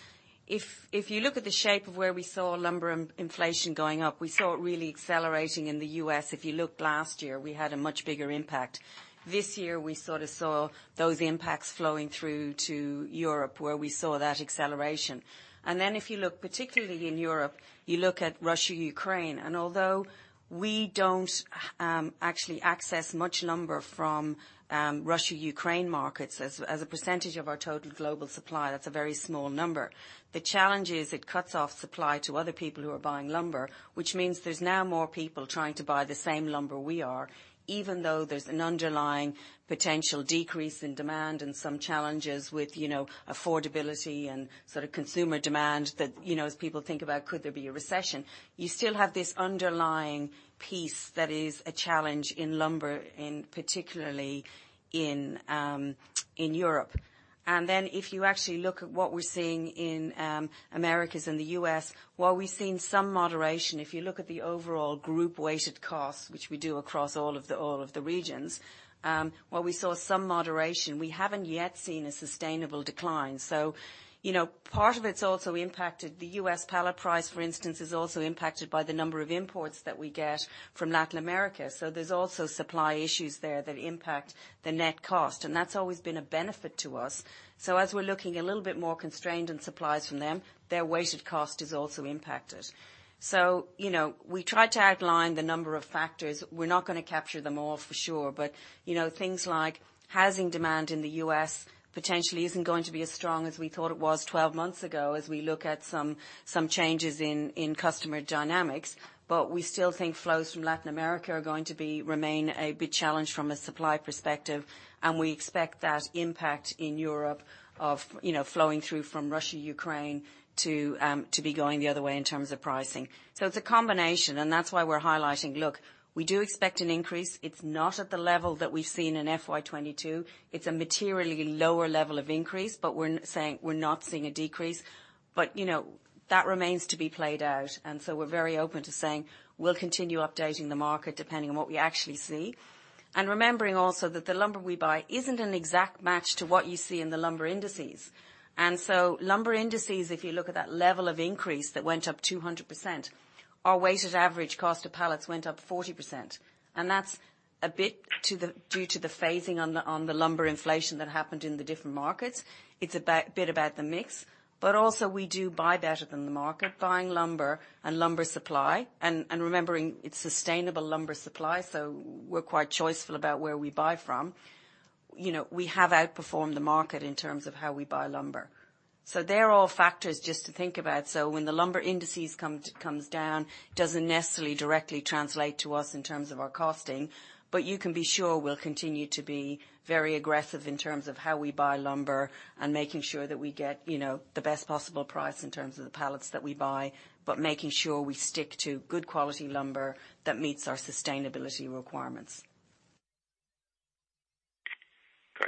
[SPEAKER 3] if you look at the shape of where we saw lumber inflation going up, we saw it really accelerating in the U.S. If you looked last year, we had a much bigger impact. This year, we sort of saw those impacts flowing through to Europe, where we saw that acceleration. If you look particularly in Europe, you look at Russia, Ukraine, and although we don't actually access much lumber from Russia, Ukraine markets, as a percentage of our total global supply, that's a very small number. The challenge is it cuts off supply to other people who are buying lumber, which means there's now more people trying to buy the same lumber we are, even though there's an underlying potential decrease in demand and some challenges with, you know, affordability and sort of consumer demand that, you know, as people think about could there be a recession. You still have this underlying piece that is a challenge in lumber, in particular in Europe. Then if you actually look at what we're seeing in Americas and the U.S., while we've seen some moderation, if you look at the overall group weighted costs, which we do across all of the regions, while we saw some moderation, we haven't yet seen a sustainable decline. You know, part of it's also impacted the U.S. pallet price, for instance, is also impacted by the number of imports that we get from Latin America. There's also supply issues there that impact the net cost, and that's always been a benefit to us. As we're looking a little bit more constrained in supplies from them, their weighted cost is also impacted. You know, we try to outline the number of factors. We're not gonna capture them all for sure. You know, things like housing demand in the U.S. potentially isn't going to be as strong as we thought it was twelve months ago, as we look at some changes in customer dynamics. We still think flows from Latin America are going to remain a big challenge from a supply perspective, and we expect that impact in Europe of, you know, flowing through from Russia, Ukraine to be going the other way in terms of pricing. It's a combination, and that's why we're highlighting, look, we do expect an increase. It's not at the level that we've seen in FY 2022. It's a materially lower level of increase, but we're not saying we're not seeing a decrease. You know, that remains to be played out. We're very open to saying we'll continue updating the market depending on what we actually see. Remembering also that the lumber we buy isn't an exact match to what you see in the lumber indices. Lumber indices, if you look at that level of increase that went up 200%, our weighted average cost of pallets went up 40%, and that's a bit due to the phasing on the lumber inflation that happened in the different markets. It's a bit about the mix, but also we do buy better than the market. Buying lumber and lumber supply and remembering it's sustainable lumber supply, so we're quite choiceful about where we buy from. You know, we have outperformed the market in terms of how we buy lumber. They're all factors just to think about. When the lumber indices come down, it doesn't necessarily directly translate to us in terms of our costing, but you can be sure we'll continue to be very aggressive in terms of how we buy lumber and making sure that we get, you know, the best possible price in terms of the pallets that we buy, but making sure we stick to good quality lumber that meets our sustainability requirements.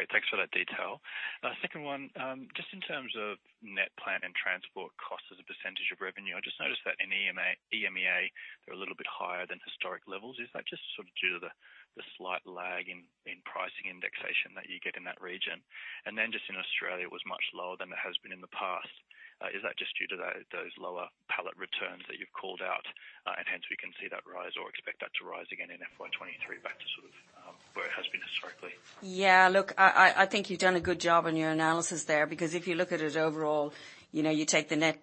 [SPEAKER 6] Great. Thanks for that detail. Second one, just in terms of net plant and transport costs as a percentage of revenue, I just noticed that in EMEA, they're a little bit higher than historic levels. Is that just sort of due to the slight lag in pricing indexation that you get in that region? Just in Australia, it was much lower than it has been in the past. Is that just due to those lower pallet returns that you've called out, and hence we can see that rise or expect that to rise again in FY 2023 back to sort of where it has been historically?
[SPEAKER 3] Yeah. Look, I think you've done a good job on your analysis there, because if you look at it overall, you know, you take the net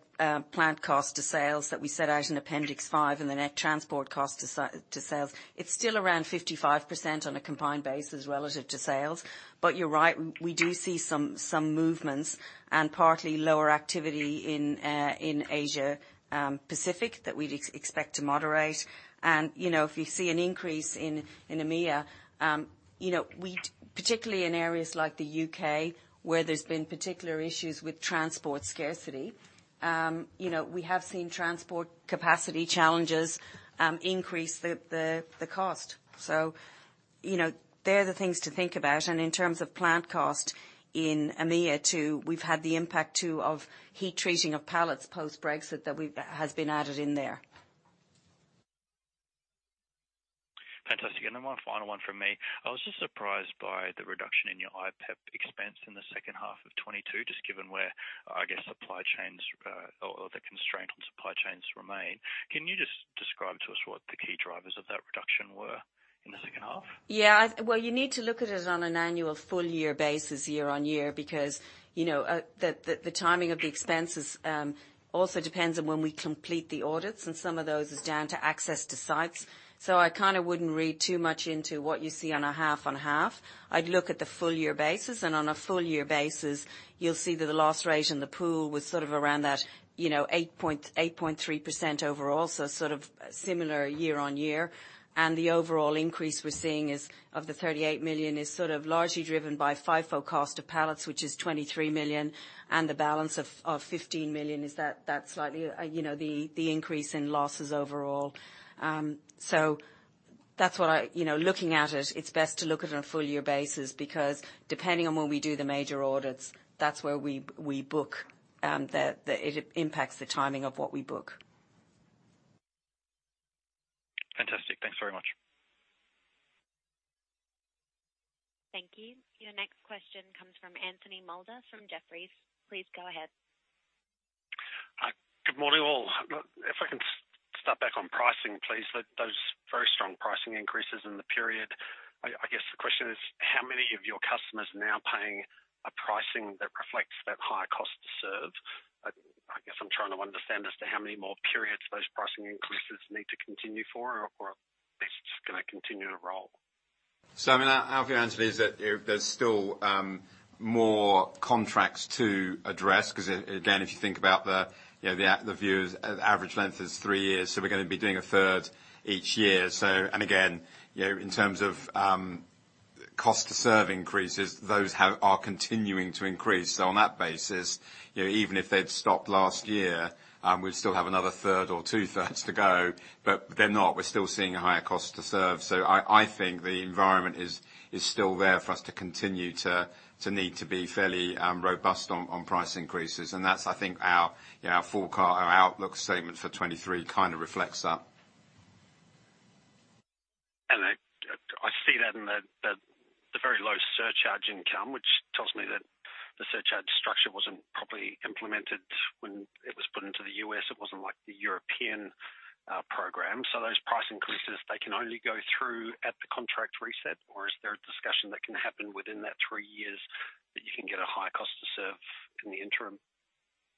[SPEAKER 3] plant cost to sales that we set out in Appendix 5 and the net transport cost to sales, it's still around 55% on a combined basis relative to sales. You're right, we do see some movements and partly lower activity in Asia-Pacific that we'd expect to moderate. You know, if we see an increase in EMEA, you know, we particularly in areas like the U.K., where there's been particular issues with transport scarcity, you know, we have seen transport capacity challenges increase the cost. You know, they're the things to think about. In terms of plant cost in EMEA too, we've had the impact too of heat treating of pallets post-Brexit that has been added in there.
[SPEAKER 6] Fantastic. One final one from me. I was just surprised by the reduction in your IPEP expense in the second half of 2022, just given where, I guess, supply chains, or the constraint on supply chains remain. Can you just describe to us what the key drivers of that reduction were in the second half?
[SPEAKER 3] Yeah, well, you need to look at it on an annual full year basis, year-over-year, because, you know, the timing of the expenses also depends on when we complete the audits, and some of those is down to access to sites. I kinda wouldn't read too much into what you see on a half-over-half. I'd look at the full year basis, and on a full year basis, you'll see that the loss rate in the pool was sort of around that, you know, 8.3% overall, so sort of similar year-on-year. The overall increase we're seeing is, of the $38 million, is sort of largely driven by FIFO cost of pallets, which is $23 million, and the balance of $15 million is that slightly, you know, the increase in losses overall. That's what you know, looking at it's best to look at it on a full year basis, because depending on when we do the major audits, that's where we book. It impacts the timing of what we book.
[SPEAKER 6] Fantastic. Thanks very much.
[SPEAKER 1] Thank you. Your next question comes from Anthony Moulder from Jefferies. Please go ahead.
[SPEAKER 7] Hi. Good morning, all. If I can start back on pricing, please. Those very strong pricing increases in the period, I guess the question is, how many of your customers are now paying a pricing that reflects that higher cost to serve? I guess I'm trying to understand as to how many more periods those pricing increases need to continue for or are they just gonna continue to roll?
[SPEAKER 2] I mean, our view, Anthony, is that there's still more contracts to address, 'cause again, if you think about the, you know, the view is, average length is three years, so we're gonna be doing a third each year. Again, you know, in terms of cost to serve increases, those are continuing to increase. On that basis, you know, even if they'd stopped last year, we'd still have another 1/3 or 2/3 to go, but they're not. We're still seeing a higher cost to serve. I think the environment is still there for us to continue to need to be fairly robust on price increases. That's, I think, our forecast, our outlook statement for 2023 kinda reflects that.
[SPEAKER 5] I see that in the very low surcharge income, which tells me that the surcharge structure wasn't properly implemented when it was put into the U.S. It wasn't like the European program. Those price increases, they can only go through at the contract reset, or is there a discussion that can happen within that three years that you can get a higher cost to serve in the interim?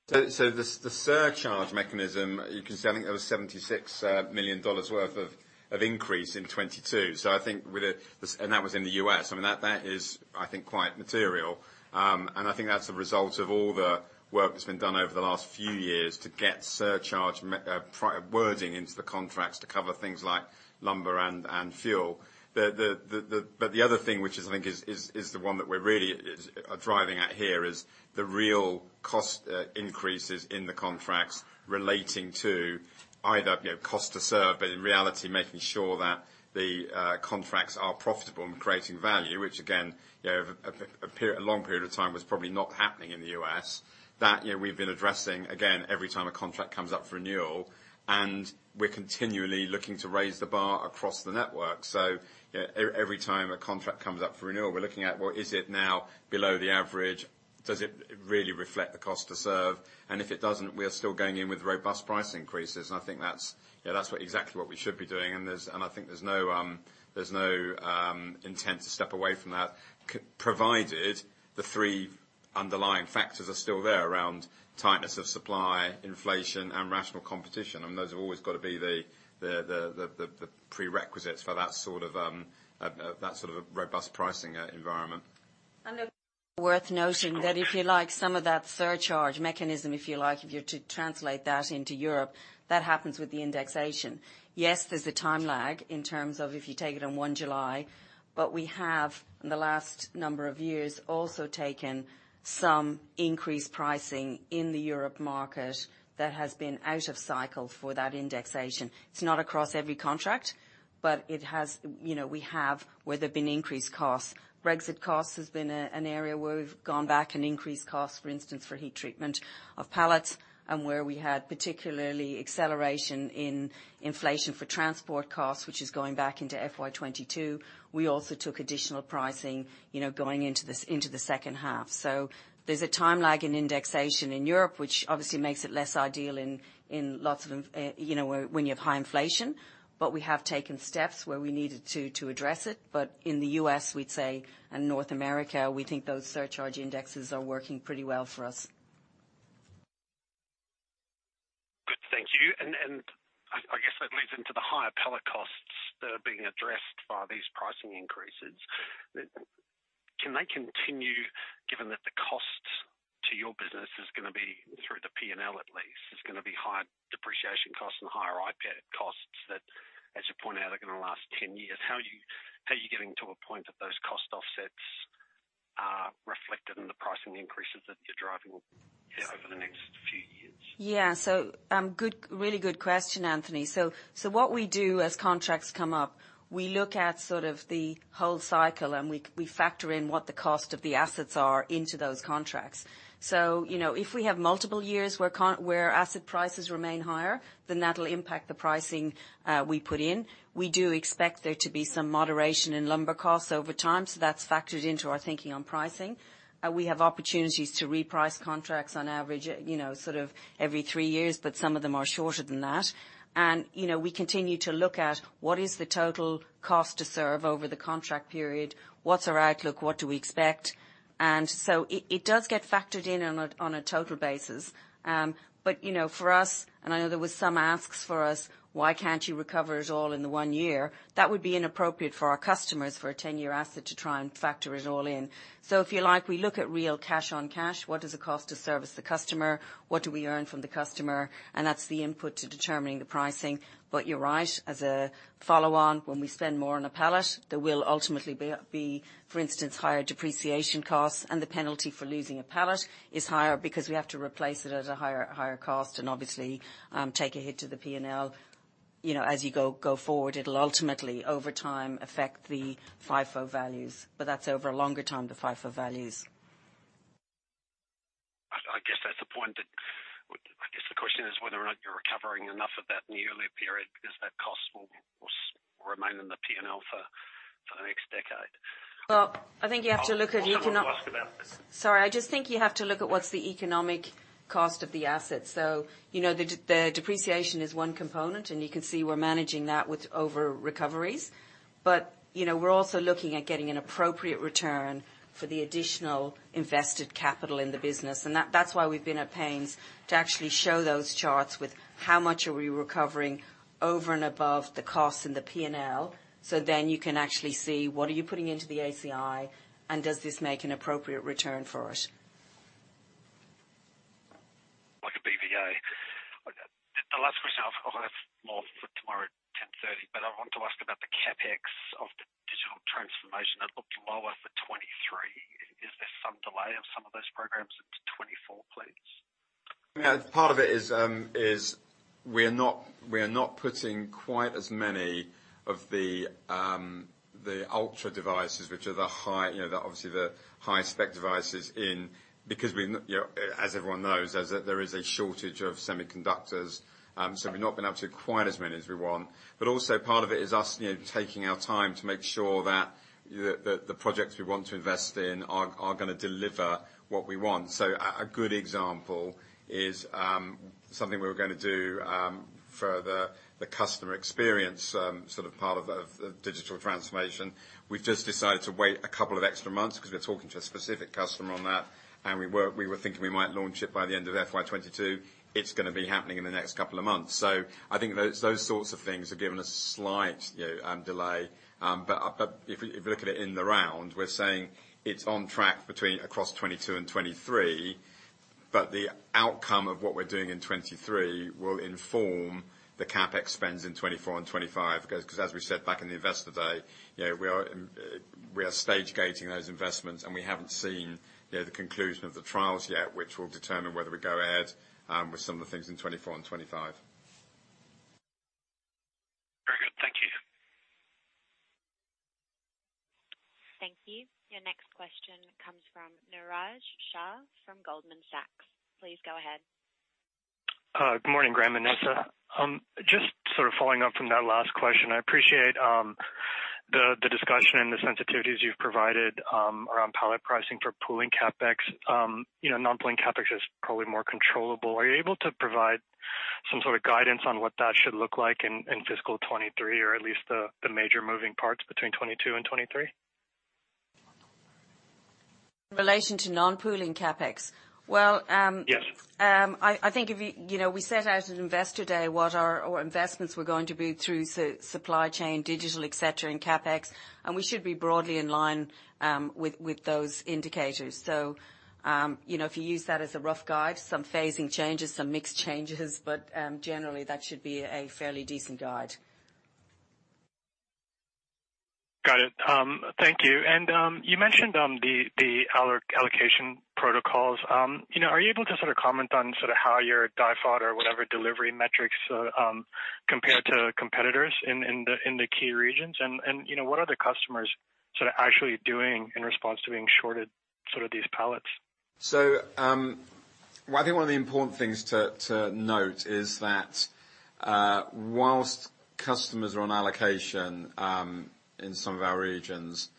[SPEAKER 2] The surcharge mechanism, you can see. I think there was $76 million worth of increase in 2022. I think with it, and that was in the U.S. I mean, that is, I think, quite material. I think that's the result of all the work that's been done over the last few years to get surcharge pricing wording into the contracts to cover things like lumber and fuel. The other thing, which I think is the one that we're really driving at here is the real cost increases in the contracts relating to either, you know, cost to serve, but in reality, making sure that the contracts are profitable and creating value, which again, you know, over a period, a long period of time was probably not happening in the U.S. That, you know, we've been addressing again every time a contract comes up for renewal, and we're continually looking to raise the bar across the network. Every time a contract comes up for renewal, we're looking at, well, is it now below the average? Does it really reflect the cost to serve? And if it doesn't, we are still going in with robust price increases. I think that's exactly what we should be doing. I think there's no intent to step away from that provided the three underlying factors are still there around tightness of supply, inflation, and rational competition. Those have always got to be the prerequisites for that sort of a robust pricing environment.
[SPEAKER 3] Worth noting that if you like some of that surcharge mechanism, if you like, if you're to translate that into Europe, that happens with the indexation. Yes, there's a time lag in terms of if you take it on 1 July, but we have, in the last number of years, also taken some increased pricing in the Europe market that has been out of cycle for that indexation. It's not across every contract, but it has, you know, we have where there have been increased costs. Brexit costs has been an area where we've gone back and increased costs, for instance, for heat treatment of pallets and where we had particularly acceleration in inflation for transport costs, which is going back into FY 2022. We also took additional pricing, you know, going into this, into the second half. There's a time lag in indexation in Europe, which obviously makes it less ideal in lots of, you know, when you have high inflation. We have taken steps where we needed to address it. In the U.S., we'd say, and North America, we think those surcharge indexes are working pretty well for us.
[SPEAKER 7] Good. Thank you. I guess that leads into the higher pallet costs that are being addressed by these pricing increases. Can they continue, given that the cost to your business is gonna be through the P&L at least, is gonna be higher depreciation costs and higher IP costs that, as you point out, are gonna last 10 years? How are you getting to a point that those cost offsets are reflected in the pricing increases that you're driving over the next few years?
[SPEAKER 3] Yeah. Good, really good question, Anthony. What we do as contracts come up, we look at sort of the whole cycle, and we factor in what the cost of the assets are into those contracts. You know, if we have multiple years where asset prices remain higher, then that'll impact the pricing we put in. We do expect there to be some moderation in lumber costs over time, so that's factored into our thinking on pricing. We have opportunities to reprice contracts on average, you know, sort of every three years, but some of them are shorter than that. You know, we continue to look at what is the total cost to serve over the contract period? What's our outlook? What do we expect? It does get factored in on a total basis. You know, for us, I know there was some asks for us, why can't you recover it all in the one year? That would be inappropriate for our customers for a 10-year asset to try and factor it all in. If you like, we look at real cash on cash. What does it cost to service the customer? What do we earn from the customer? That's the input to determining the pricing. You're right. As a follow on, when we spend more on a pallet, there will ultimately be, for instance, higher depreciation costs and the penalty for losing a pallet is higher because we have to replace it at a higher cost and obviously, take a hit to the P&L. You know, as you go forward, it'll ultimately over time affect the FIFO values, but that's over a longer time, the FIFO values.
[SPEAKER 7] I guess the question is whether or not you're recovering enough of that in the earlier period because that cost will remain in the P&L for the next decade.
[SPEAKER 3] Well, I think you have to look at.
[SPEAKER 7] I'll have a go and ask about this.
[SPEAKER 3] Sorry. I just think you have to look at what's the economic cost of the asset. You know, the depreciation is one component, and you can see we're managing that with over recoveries. You know, we're also looking at getting an appropriate return for the additional invested capital in the business. That's why we've been at pains to actually show those charts with how much are we recovering over and above the costs in the P&L. You can actually see what are you putting into the ACI, and does this make an appropriate return for us?
[SPEAKER 7] The last question. I'll have more for tomorrow at 10:30 A.M. I want to ask about the CapEx of the digital transformation. It looked lower for 2023. Is there some delay of some of those programs into 2024, please?
[SPEAKER 2] Part of it is we are not putting quite as many of the Ultra device, which are the high, you know, obviously the high-spec devices in because we, you know, as everyone knows, there is a shortage of semiconductors. We've not been able to do quite as many as we want. Also part of it is us, you know, taking our time to make sure that the projects we want to invest in are gonna deliver what we want. A good example is something we were gonna do for the customer experience sort of part of digital transformation. We've just decided to wait a couple of extra months because we're talking to a specific customer on that, and we were thinking we might launch it by the end of FY 2022. It's gonna be happening in the next couple of months. I think those sorts of things have given a slight, you know, delay. But if you look at it in the round, we're saying it's on track across 2022 and 2023, but the outcome of what we're doing in 2023 will inform the CapEx spends in 2024 and 2025 because as we said back in the investor day, you know, we are stage gating those investments, and we haven't seen, you know, the conclusion of the trials yet, which will determine whether we go ahead with some of the things in 2024 and 2025.
[SPEAKER 7] Very good. Thank you.
[SPEAKER 1] Thank you. Your next question comes from Niraj Shah from Goldman Sachs. Please go ahead.
[SPEAKER 8] Good morning, Graham and Nessa. Just sort of following up from that last question, I appreciate the discussion and the sensitivities you've provided around pallet pricing for pooling CapEx. You know, non-pooling CapEx is probably more controllable. Are you able to provide some sort of guidance on what that should look like in fiscal 2023, or at least the major moving parts between 2022 and 2023?
[SPEAKER 3] In relation to non-pooling CapEx? Well,
[SPEAKER 8] Yes.
[SPEAKER 3] I think if you know, we set out at Investor Day what our investments were going to be through supply chain, digital, et cetera, in CapEx, and we should be broadly in line with those indicators. You know, if you use that as a rough guide, some phasing changes, some mix changes, but generally, that should be a fairly decent guide.
[SPEAKER 8] Got it. Thank you. You mentioned the allocation protocols. You know, are you able to sort of comment on sort of how your default or whatever delivery metrics compare to competitors in the key regions? You know, what are the customers sort of actually doing in response to being shorted sort of these pallets?
[SPEAKER 2] I think one of the important things to note is that, while customers are on allocation, in some of our regions,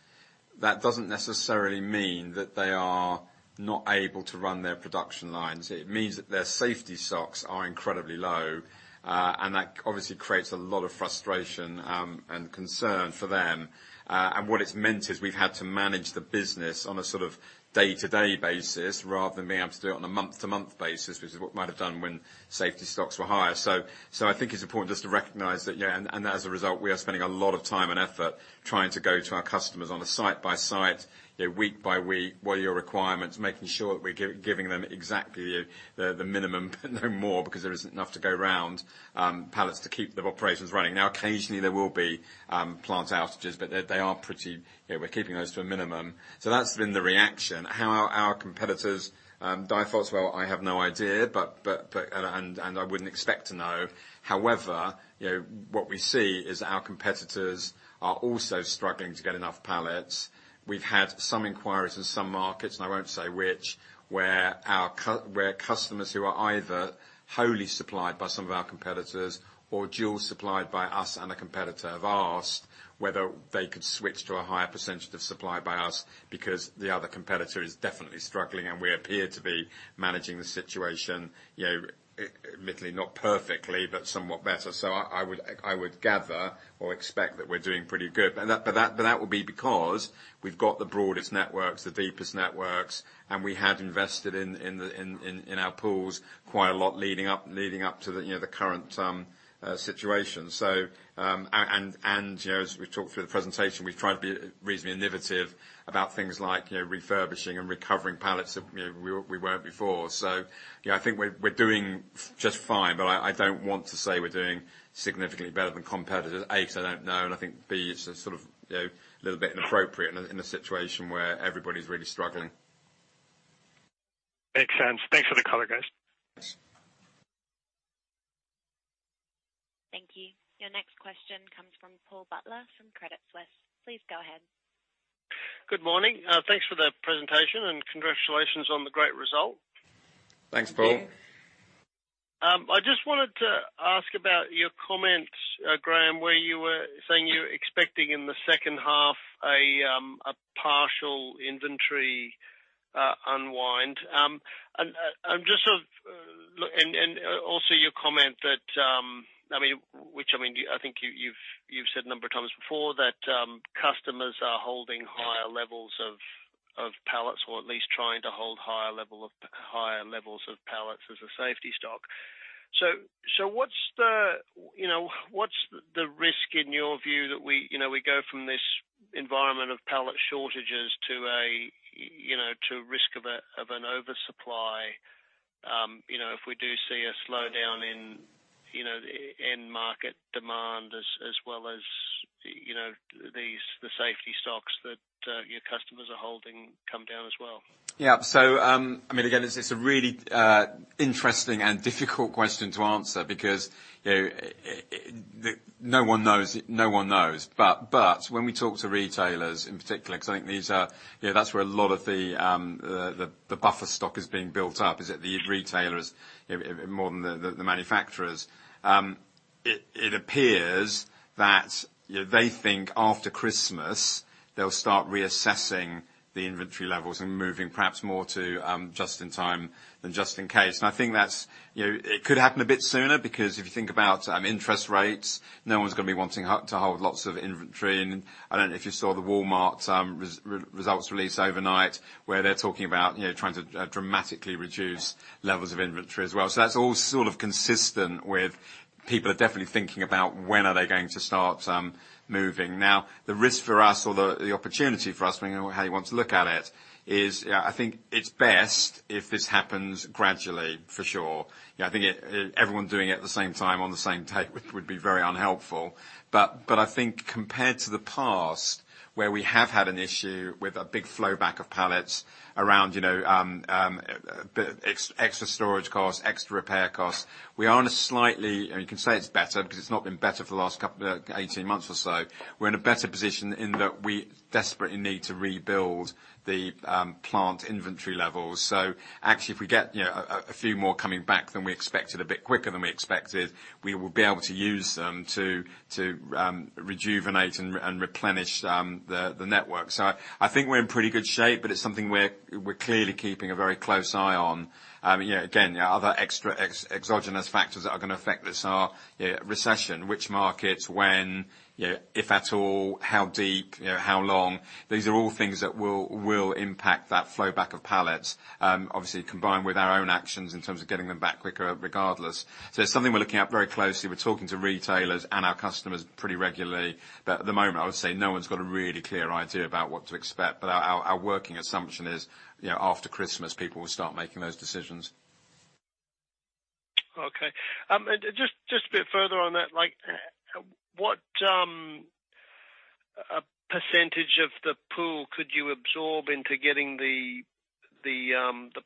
[SPEAKER 2] that doesn't necessarily mean that they are not able to run their production lines. It means that their safety stocks are incredibly low, and that obviously creates a lot of frustration, and concern for them. What it's meant is we've had to manage the business on a sort of day-to-day basis rather than being able to do it on a month-to-month basis, which is what we might have done when safety stocks were higher. I think it's important just to recognize that, yeah, and as a result, we are spending a lot of time and effort trying to go to our customers on a site-by-site, you know, week-by-week, what are your requirements, making sure we're giving them exactly the minimum, but no more because there isn't enough to go around, pallets to keep the operations running. Now, occasionally there will be plant outages, but they are pretty, you know, we're keeping those to a minimum. That's been the reaction. How our competitors are doing, well, I have no idea, but I wouldn't expect to know. However, you know, what we see is our competitors are also struggling to get enough pallets. We've had some inquiries in some markets, and I won't say which, where customers who are either wholly supplied by some of our competitors or dual supplied by us and a competitor have asked whether they could switch to a higher percentage of supply by us because the other competitor is definitely struggling, and we appear to be managing the situation, you know, admittedly not perfectly, but somewhat better. I would gather or expect that we're doing pretty good. That would be because we've got the broadest networks, the deepest networks, and we have invested in our pools quite a lot leading up to the, you know, the current situation. As we talked through the presentation, we've tried to be reasonably innovative about things like, you know, refurbishing and recovering pallets that, you know, we weren't before. You know, I think we're doing just fine, but I don't want to say we're doing significantly better than competitors, A, because I don't know, and I think, B, it's a sort of, you know, little bit inappropriate in a situation where everybody's really struggling.
[SPEAKER 8] Makes sense. Thanks for the color, guys.
[SPEAKER 3] Thanks.
[SPEAKER 1] Thank you. Your next question comes from Paul Butler from Credit Suisse. Please go ahead.
[SPEAKER 9] Good morning. Thanks for the presentation, and congratulations on the great result.
[SPEAKER 2] Thanks, Paul.
[SPEAKER 9] I just wanted to ask about your comments, Graham, where you were saying you're expecting in the second half a partial inventory unwind. Just a look and also your comment that, I mean, which you've said a number of times before that customers are holding higher levels of pallets, or at least trying to hold higher levels of pallets as a safety stock. What's the risk in your view that we go from this environment of pallet shortages to risk of an oversupply, you know, if we do see a slowdown in market demand as well as, you know, the safety stocks that your customers are holding come down as well?
[SPEAKER 2] Yeah. I mean, again, it's a really interesting and difficult question to answer because, you know, no one knows. But when we talk to retailers in particular, because I think these are, you know, that's where a lot of the buffer stock is being built up is at the retailers, you know, more than the manufacturers. It appears that, you know, they think after Christmas, they'll start reassessing the inventory levels and moving perhaps more to just in time than just in case. I think that's, you know, it could happen a bit sooner because if you think about interest rates, no one's gonna be wanting to hold lots of inventory. I don't know if you saw the Walmart results release overnight, where they're talking about, you know, trying to dramatically reduce levels of inventory as well. That's all sort of consistent with people are definitely thinking about when are they going to start moving. Now, the risk for us or the opportunity for us, depending on how you want to look at it is, you know, I think it's best if this happens gradually, for sure. You know, I think everyone doing it at the same time on the same tape would be very unhelpful. I think compared to the past, where we have had an issue with a big flow back of pallets around, you know, extra storage costs, extra repair costs, we are in a slightly, you can say it's better because it's not been better for the last couple 18 months or so. We're in a better position in that we desperately need to rebuild the plant inventory levels. Actually, if we get, you know, a few more coming back than we expected, a bit quicker than we expected, we will be able to use them to rejuvenate and replenish the network. I think we're in pretty good shape, but it's something we're clearly keeping a very close eye on. You know, again, other extra exogenous factors that are gonna affect this are, you know, recession, which markets, when, you know, if at all, how deep, you know, how long. These are all things that will impact that flow back of pallets. Obviously, combined with our own actions in terms of getting them back quicker regardless. It's something we're looking at very closely. We're talking to retailers and our customers pretty regularly. At the moment, I would say no one's got a really clear idea about what to expect. Our working assumption is, you know, after Christmas, people will start making those decisions.
[SPEAKER 9] Okay. Just a bit further on that, like, what percentage of the pool could you absorb into getting the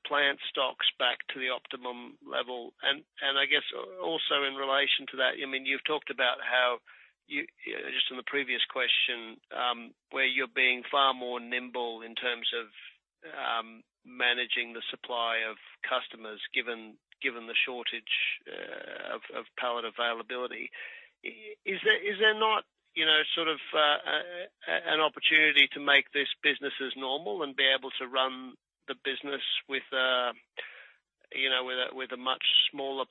[SPEAKER 9] plant stocks back to the optimum level? I guess also in relation to that, I mean, you've talked about how you know, just in the previous question, where you're being far more nimble in terms of managing the supply of customers given the shortage of pallet availability. Is there not, you know, sort of, an opportunity to make this business as normal and be able to run the business with, you know, with a much smaller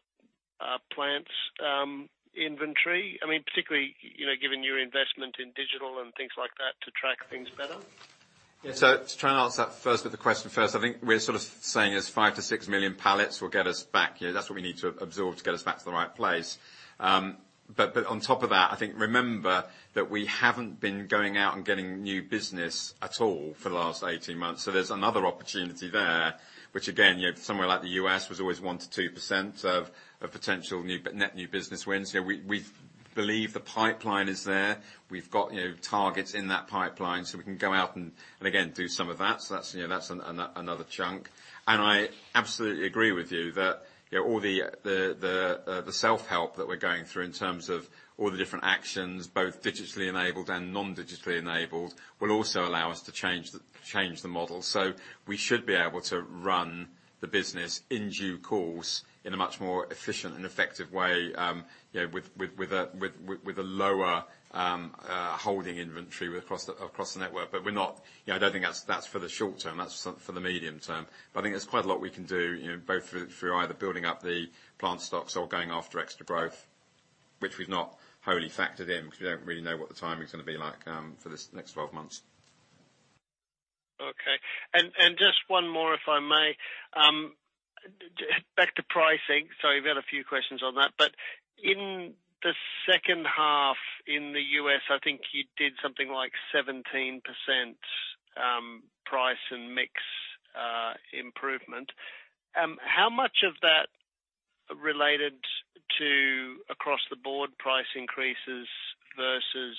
[SPEAKER 9] plants inventory? I mean, particularly, you know, given your investment in digital and things like that to track things better.
[SPEAKER 2] Yeah. To try and answer that first with the question first, I think we're sort of saying is 5 million-6 million pallets will get us back. You know, that's what we need to absorb to get us back to the right place. But on top of that, I think remember that we haven't been going out and getting new business at all for the last 18 months. There's another opportunity there, which again, you know, somewhere like the U..S. was always 1%-2% of potential new net new business wins. You know, we believe the pipeline is there. We've got, you know, targets in that pipeline, so we can go out and again, do some of that. That's, you know, that's another chunk. I absolutely agree with you that, you know, all the self-help that we're going through in terms of all the different actions, both digitally enabled and non-digitally enabled, will also allow us to change the model. We should be able to run the business in due course in a much more efficient and effective way, you know, with a lower holding inventory across the network. We're not, you know, I don't think that's for the short term, that's for the medium term. I think there's quite a lot we can do, you know, both through either building up the plant stocks or going after extra growth, which we've not wholly factored in because we don't really know what the timing is gonna be like for this next twelve months.
[SPEAKER 9] Just one more, if I may. Back to pricing. Sorry, we've had a few questions on that. In the second half in the U.S., I think you did something like 17% price and mix improvement. How much of that related to across the board price increases versus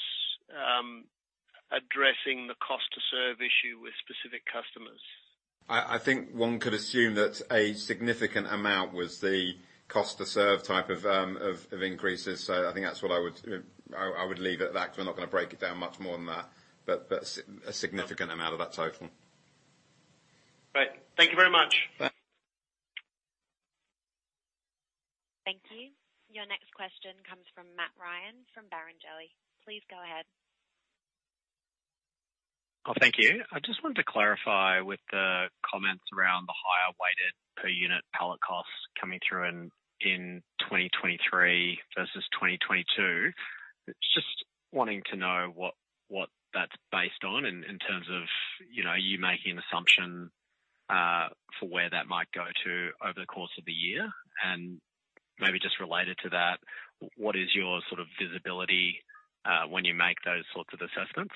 [SPEAKER 9] addressing the cost to serve issue with specific customers?
[SPEAKER 2] I think one could assume that a significant amount was the cost to serve type of increases. I think that's what I would leave it at that, 'cause we're not gonna break it down much more than that. A significant amount of that total.
[SPEAKER 9] Great. Thank you very much.
[SPEAKER 2] Bye.
[SPEAKER 1] Thank you. Your next question comes from Matt Ryan from Barrenjoey. Please go ahead.
[SPEAKER 10] Oh, thank you. I just wanted to clarify with the comments around the higher weighted per unit pallet costs coming through in 2023 versus 2022. Just wanting to know what that's based on in terms of, you know, you making an assumption for where that might go to over the course of the year. Maybe just related to that, what is your sort of visibility when you make those sorts of assessments?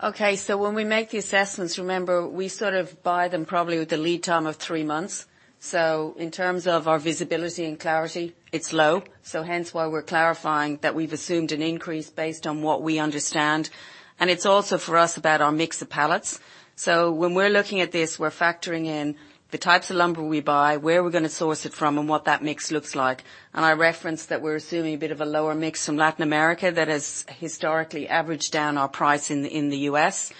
[SPEAKER 3] Okay. When we make the assessments, remember, we sort of buy them probably with a lead time of three months. In terms of our visibility and clarity, it's low. Hence why we're clarifying that we've assumed an increase based on what we understand. It's also for us about our mix of pallets. When we're looking at this, we're factoring in the types of lumber we buy, where we're gonna source it from, and what that mix looks like. I referenced that we're assuming a bit of a lower mix from Latin America that has historically averaged down our price in the U.S.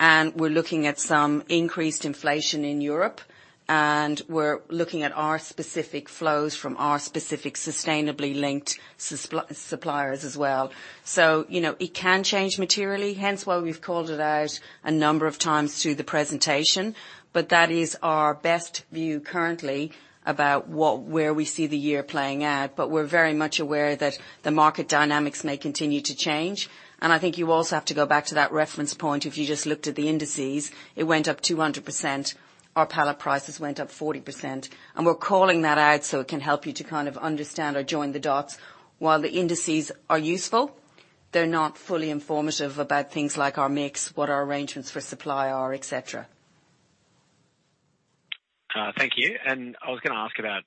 [SPEAKER 3] We're looking at some increased inflation in Europe, and we're looking at our specific flows from our specific sustainability-linked suppliers as well. You know, it can change materially, hence why we've called it out a number of times through the presentation. That is our best view currently about where we see the year playing out. We're very much aware that the market dynamics may continue to change. I think you also have to go back to that reference point. If you just looked at the indices, it went up 200%. Our pallet prices went up 40%. We're calling that out so it can help you to kind of understand or join the dots. While the indices are useful, they're not fully informative about things like our mix, what our arrangements for supply are, et cetera.
[SPEAKER 10] Thank you. I was gonna ask about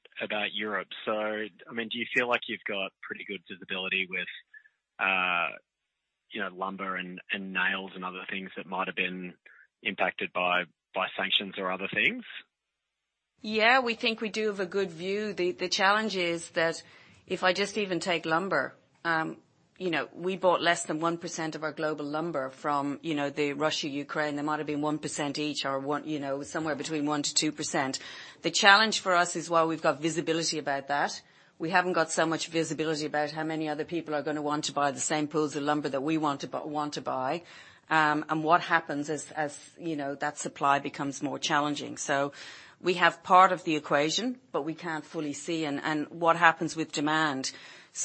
[SPEAKER 10] Europe. I mean, do you feel like you've got pretty good visibility with lumber and nails and other things that might have been impacted by sanctions or other things?
[SPEAKER 3] Yeah, we think we do have a good view. The challenge is that if I just even take lumber, you know, we bought less than 1% of our global lumber from, you know, the Russia, Ukraine. There might have been 1% each or one, you know, somewhere between 1%-2%. The challenge for us is while we've got visibility about that, we haven't got so much visibility about how many other people are gonna want to buy the same pools of lumber that we want to buy. And what happens as you know, that supply becomes more challenging. We have part of the equation, but we can't fully see and what happens with demand.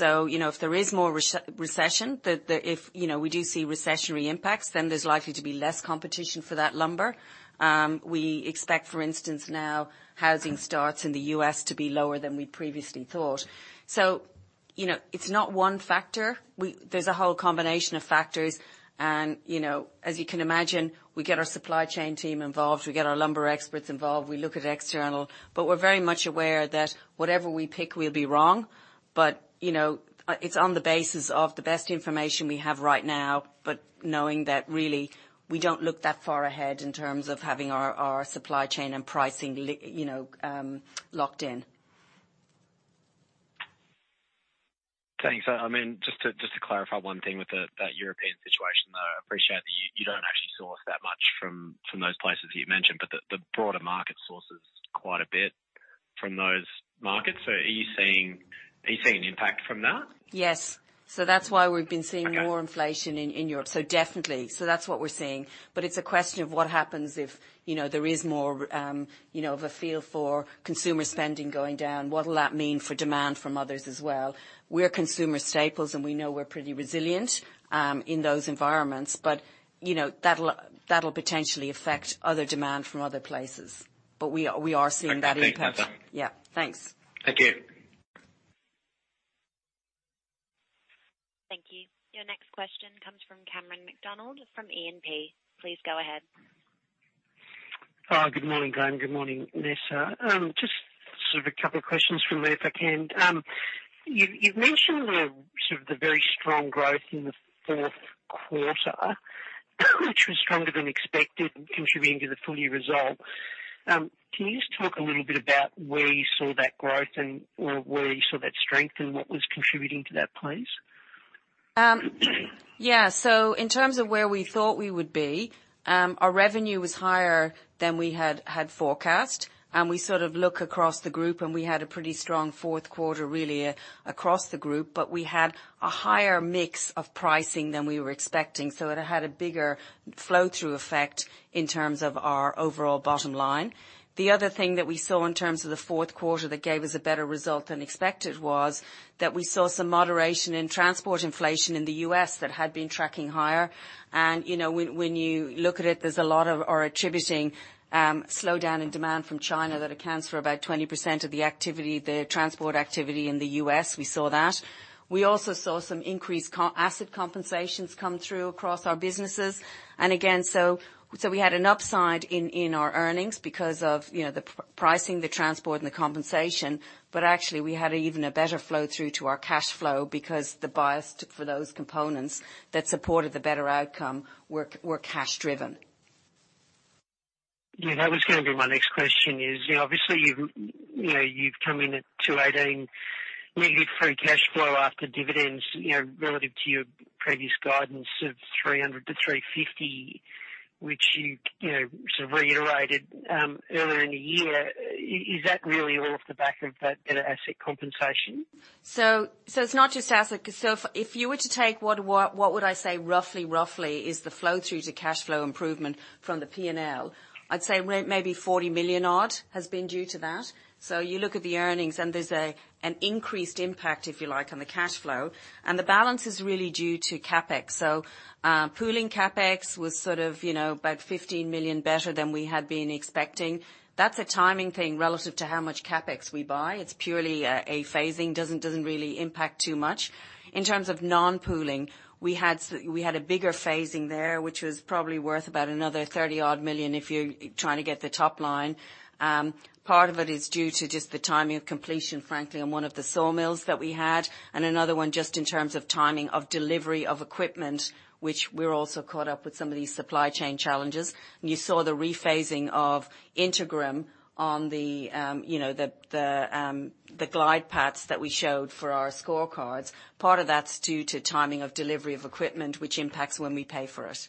[SPEAKER 3] You know, if there is more recession. If, you know, we do see recessionary impacts, then there's likely to be less competition for that lumber. We expect, for instance, now housing starts in the U.S. to be lower than we previously thought. You know, it's not one factor. There's a whole combination of factors and, you know, as you can imagine, we get our supply chain team involved, we get our lumber experts involved, we look at external. But we're very much aware that whatever we pick will be wrong. But, you know, it's on the basis of the best information we have right now, but knowing that really we don't look that far ahead in terms of having our supply chain and pricing locked in.
[SPEAKER 10] Thanks. I mean, just to clarify one thing with that European situation, though. I appreciate that you don't actually source that much from those places you mentioned, but the broader market sources quite a bit from those markets. Are you seeing an impact from that?
[SPEAKER 3] Yes. That's why we've been seeing.
[SPEAKER 10] Okay.
[SPEAKER 3] more inflation in Europe. Definitely. That's what we're seeing. It's a question of what happens if, you know, there is more, you know, of a feel for consumer spending going down, what will that mean for demand from others as well? We're consumer staples, and we know we're pretty resilient in those environments, but, you know, that'll potentially affect other demand from other places. We are seeing that impact.
[SPEAKER 10] Okay. Thank you.
[SPEAKER 3] Yeah. Thanks.
[SPEAKER 10] Thank you.
[SPEAKER 1] Thank you. Your next question comes from Cameron McDonald from E&P. Please go ahead.
[SPEAKER 11] Hi. Good morning, Graham. Good morning, Nessa. Just sort of a couple of questions from me if I can. You've mentioned the sort of the very strong growth in the fourth quarter, which was stronger than expected and contributing to the full year result. Can you just talk a little bit about where you saw that growth and or where you saw that strength and what was contributing to that, please?
[SPEAKER 3] Yeah. In terms of where we thought we would be, our revenue was higher than we had forecast. We sort of looked across the group, and we had a pretty strong fourth quarter, really, across the group, but we had a higher mix of pricing than we were expecting. It had a bigger flow-through effect in terms of our overall bottom line. The other thing that we saw in terms of the fourth quarter that gave us a better result than expected was that we saw some moderation in transport inflation in the U.S. That had been tracking higher. You know, when you look at it, there's a slowdown in demand from China that accounts for about 20% of the activity, the transport activity in the U.S.. We saw that. We also saw some increased lost asset compensations come through across our businesses. Again, so we had an upside in our earnings because of, you know, the pricing, the transport and the compensation. Actually, we had even a better flow-through to our cash flow because the items that supported the better outcome were cash-driven.
[SPEAKER 11] Yeah, that was gonna be my next question is, you know, obviously, you've, you know, you've come in at -$218 free cash flow after dividends, you know, relative to your previous guidance of $300-$350, which you know, sort of reiterated earlier in the year. Is that really all off the back of that better asset compensation?
[SPEAKER 3] It's not just asset. If you were to take what would I say roughly is the flow through to cash flow improvement from the P&L, I'd say maybe $40 million odd has been due to that. You look at the earnings and there's an increased impact, if you like, on the cash flow. The balance is really due to CapEx. Pooling CapEx was sort of, you know, about $15 million better than we had been expecting. That's a timing thing relative to how much CapEx we buy. It's purely a phasing. Doesn't really impact too much. In terms of non-pooling, we had a bigger phasing there, which was probably worth about another $30 odd million if you're trying to get the top line. Part of it is due to just the timing of completion, frankly, on one of the sawmills that we had, and another one just in terms of timing of delivery of equipment, which we're also caught up with some of these supply chain challenges. You saw the rephasing of Integra on the, you know, the glide paths that we showed for our scorecards. Part of that's due to timing of delivery of equipment, which impacts when we pay for it.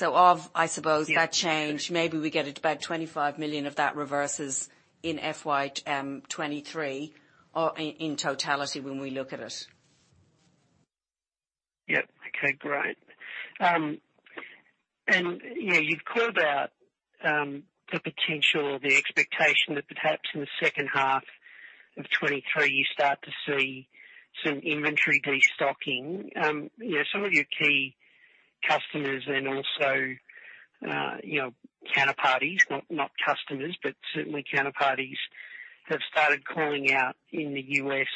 [SPEAKER 3] Of, I suppose, that change, maybe we get about 25 million of that reverses in FY 2023 or in totality when we look at it.
[SPEAKER 11] Yep. Okay, great. You've called out the potential or the expectation that perhaps in the second half of 2023 you start to see some inventory destocking. You know, some of your key customers and also, you know, counterparties, not customers, but certainly counterparties, have started calling out in the U.S.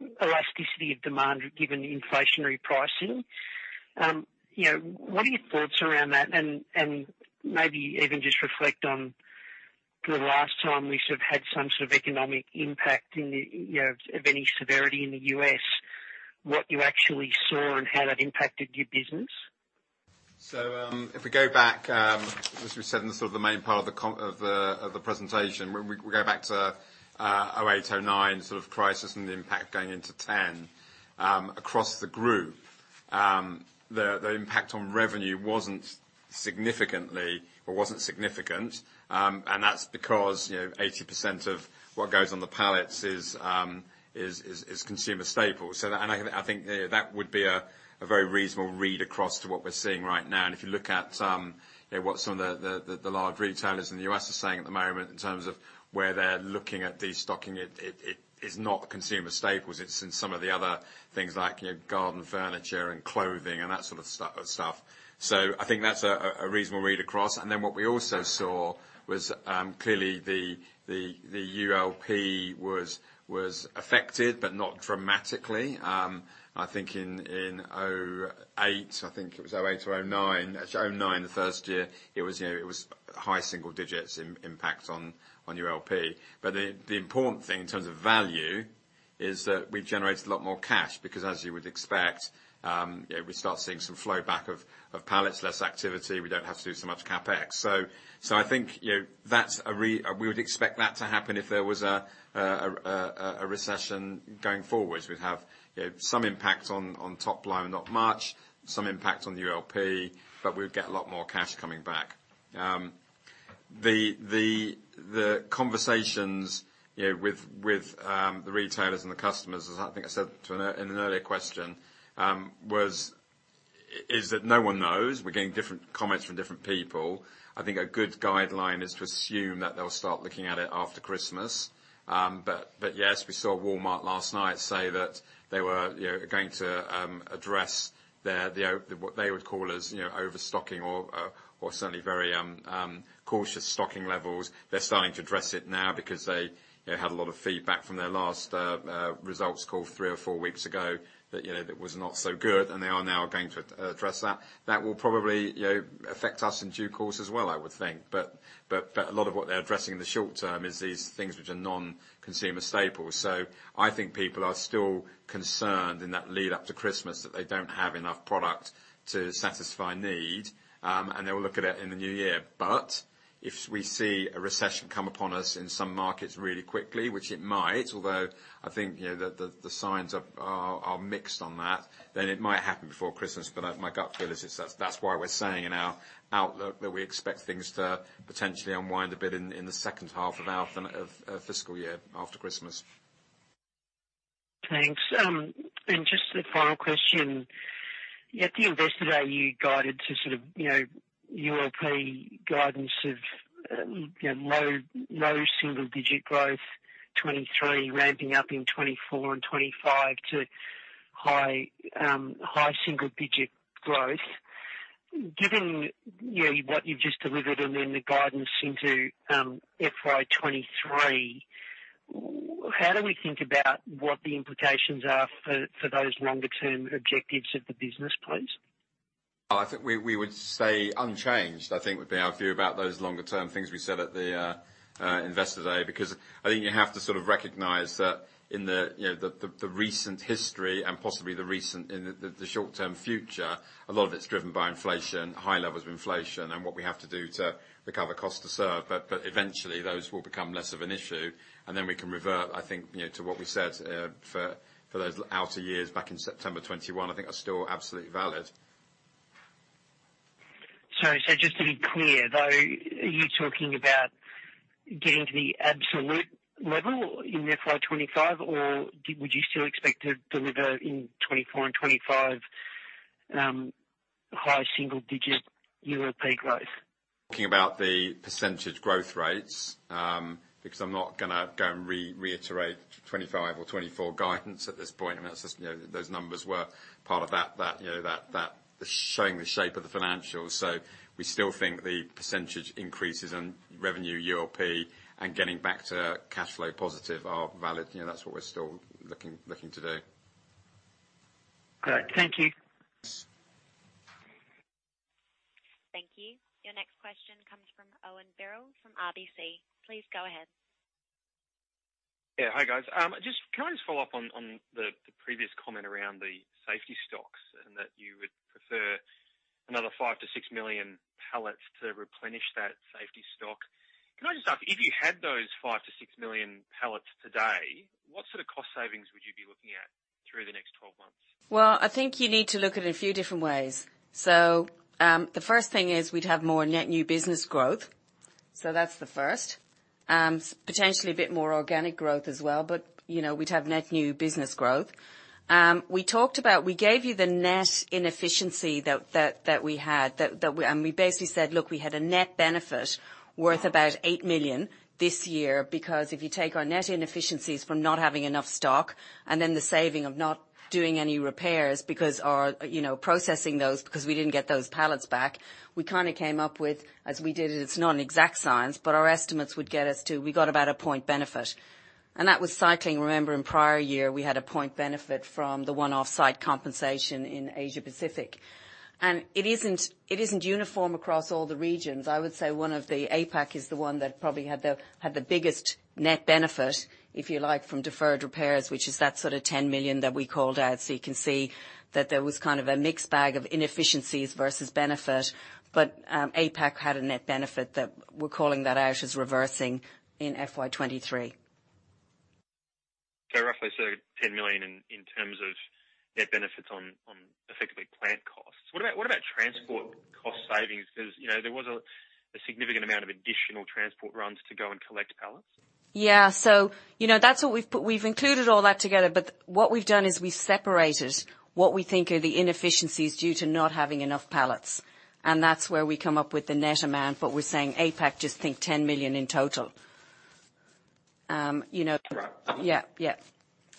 [SPEAKER 11] elasticity of demand given the inflationary pricing. You know, what are your thoughts around that? Maybe even just reflect on the last time we sort of had some sort of economic impact in the, you know, of any severity in the U.S., what you actually saw and how that impacted your business.
[SPEAKER 2] If we go back, as we said in the sort of the main part of the content of the presentation, when we go back to 2008, 2009 sort of crisis and the impact going into 2010, across the group, the impact on revenue wasn't significantly or wasn't significant. That's because, you know, 80% of what goes on the pallets is consumer staples. I think that would be a very reasonable read across to what we're seeing right now. If you look at, you know, what some of the large retailers in the U.S. are saying at the moment in terms of where they're looking at destocking it is not consumer staples, it's in some of the other things like, you know, garden furniture and clothing and that sort of stuff. I think that's a reasonable read across. What we also saw was clearly the ULP was affected, but not dramatically. I think in 2008, I think it was 2008 or 2009. Actually 2009, the first year, it was, you know, high single digits impact on ULP. But the important thing in terms of value is that we generate a lot more cash because as you would expect, we start seeing some flow back of pallets, less activity. We don't have to do so much CapEx. I think we would expect that to happen if there was a recession going forward. We'd have some impact on top line, not much. Some impact on ULP, but we've got a lot more cash coming back. The conversations with the retailers and the customers, as I think I said in an earlier question, is that no one knows. We're getting different comments from different people. I think a good guideline is to assume that they'll start looking at it after Christmas. Yes, we saw Walmart last night say that they were, you know, going to address their, the, what they would call as, you know, overstocking or certainly very cautious stocking levels. They're starting to address it now because they had a lot of feedback from their last results call three or four weeks ago that, you know, that was not so good, and they are now going to address that. That will probably, you know, affect us in due course as well, I would think. But a lot of what they're addressing in the short term is these things which are non-consumer staples. I think people are still concerned in that lead up to Christmas that they don't have enough product to satisfy need, and they will look at it in the new year. If we see a recession come upon us in some markets really quickly, which it might, although I think, you know, the signs are mixed on that, then it might happen before Christmas. I my gut feel is it's that's why we're saying in our outlook that we expect things to potentially unwind a bit in the second half of our fiscal year after Christmas.
[SPEAKER 11] Just the final question. At the Investor Day, you guided to sort of ULP guidance of low single digit growth 2023, ramping up in 2024 and 2025 to high single digit growth. Given what you've just delivered and then the guidance into FY 2023, how do we think about what the implications are for those longer term objectives of the business, please?
[SPEAKER 2] I think we would say unchanged. I think would be our view about those longer term things we said at the Investor Day, because I think you have to sort of recognize that in the recent history and possibly in the short-term future, a lot of it's driven by inflation, high levels of inflation, and what we have to do to recover cost to serve. But eventually, those will become less of an issue and then we can revert, I think, you know, to what we said for those outer years back in September 2021. I think are still absolutely valid.
[SPEAKER 11] Sorry. Just to be clear, though, are you talking about getting to the absolute level in FY 2025 or would you still expect to deliver in 2024 and 2025, high single digit ULP growth?
[SPEAKER 2] Talking about the percentage growth rates, because I'm not gonna go and reiterate 2025 or 2024 guidance at this point. I mean, that's just, you know, those numbers were part of that, you know, that showing the shape of the financials. We still think the percentage increases in revenue ULP and getting back to cash flow positive are valid. You know, that's what we're still looking to do.
[SPEAKER 11] Great. Thank you.
[SPEAKER 2] Thanks.
[SPEAKER 1] Thank you. Your next question comes from Owen Birrell from RBC. Please go ahead.
[SPEAKER 12] Yeah. Hi, guys. Can I just follow up on the previous comment around the safety stocks and that you would prefer another 5 million-6 million pallets to replenish that safety stock? Can I just ask, if you had those 5 million-6 million pallets today, what sort of cost savings would you be looking at through the next 12 months?
[SPEAKER 3] Well, I think you need to look at a few different ways. The first thing is we'd have more net new business growth. That's the first. Potentially a bit more organic growth as well. You know, we'd have net new business growth. We talked about, we gave you the net inefficiency that we had, and we basically said, look, we had a net benefit worth about $8 million this year, because if you take our net inefficiencies from not having enough stock and then the saving of not doing any repairs because our, you know, processing those because we didn't get those pallets back. We kinda came up with, as we did it's not an exact science, but our estimates would get us to we got about 1-point benefit, and that was cycling. Remember in prior year, we had a point benefit from the one-off site compensation in Asia-Pacific. It isn't uniform across all the regions. I would say one of the APAC is the one that probably had the biggest net benefit, if you like, from deferred repairs, which is that sort of $10 million that we called out. You can see that there was kind of a mixed bag of inefficiencies versus benefit. APAC had a net benefit that we're calling that out as reversing in FY 2023.
[SPEAKER 12] Roughly sort of 10 million in terms of net benefits on effectively plant costs. What about transport cost savings? 'Cause you know there was a significant amount of additional transport runs to go and collect pallets.
[SPEAKER 3] Yeah. You know, that's what we've included all that together. What we've done is we separated what we think are the inefficiencies due to not having enough pallets, and that's where we come up with the net amount. We're saying APAC, just think $10 million in total. You know-
[SPEAKER 12] Right.
[SPEAKER 3] Yeah, yeah.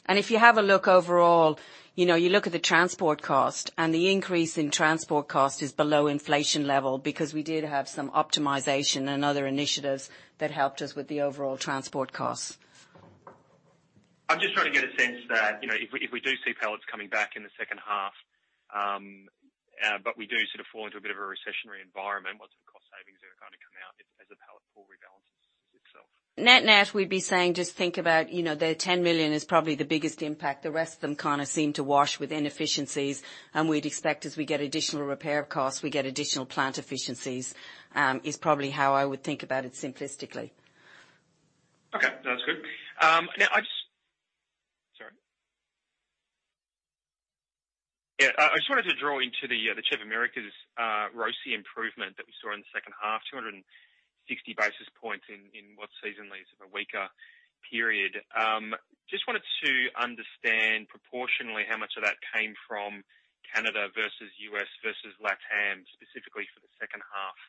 [SPEAKER 3] If you have a look overall, you know, you look at the transport cost and the increase in transport cost is below inflation level because we did have some optimization and other initiatives that helped us with the overall transport costs.
[SPEAKER 12] I'm just trying to get a sense that, you know, if we do see pallets coming back in the second half, but we do sort of fall into a bit of a recessionary environment, what's it gonna?
[SPEAKER 3] Net-net, we'd be saying just think about, you know, the 10 million is probably the biggest impact. The rest of them kind of seem to wash with inefficiencies, and we'd expect as we get additional repair costs, we get additional plant efficiencies, is probably how I would think about it simplistically.
[SPEAKER 12] Okay, that's good. I just wanted to drill into the CHEP Americas ROIC improvement that we saw in the second half, 260 basis points in what seasonally is a weaker period. Just wanted to understand proportionally how much of that came from Canada versus U.S. versus LatAm, specifically for the second half.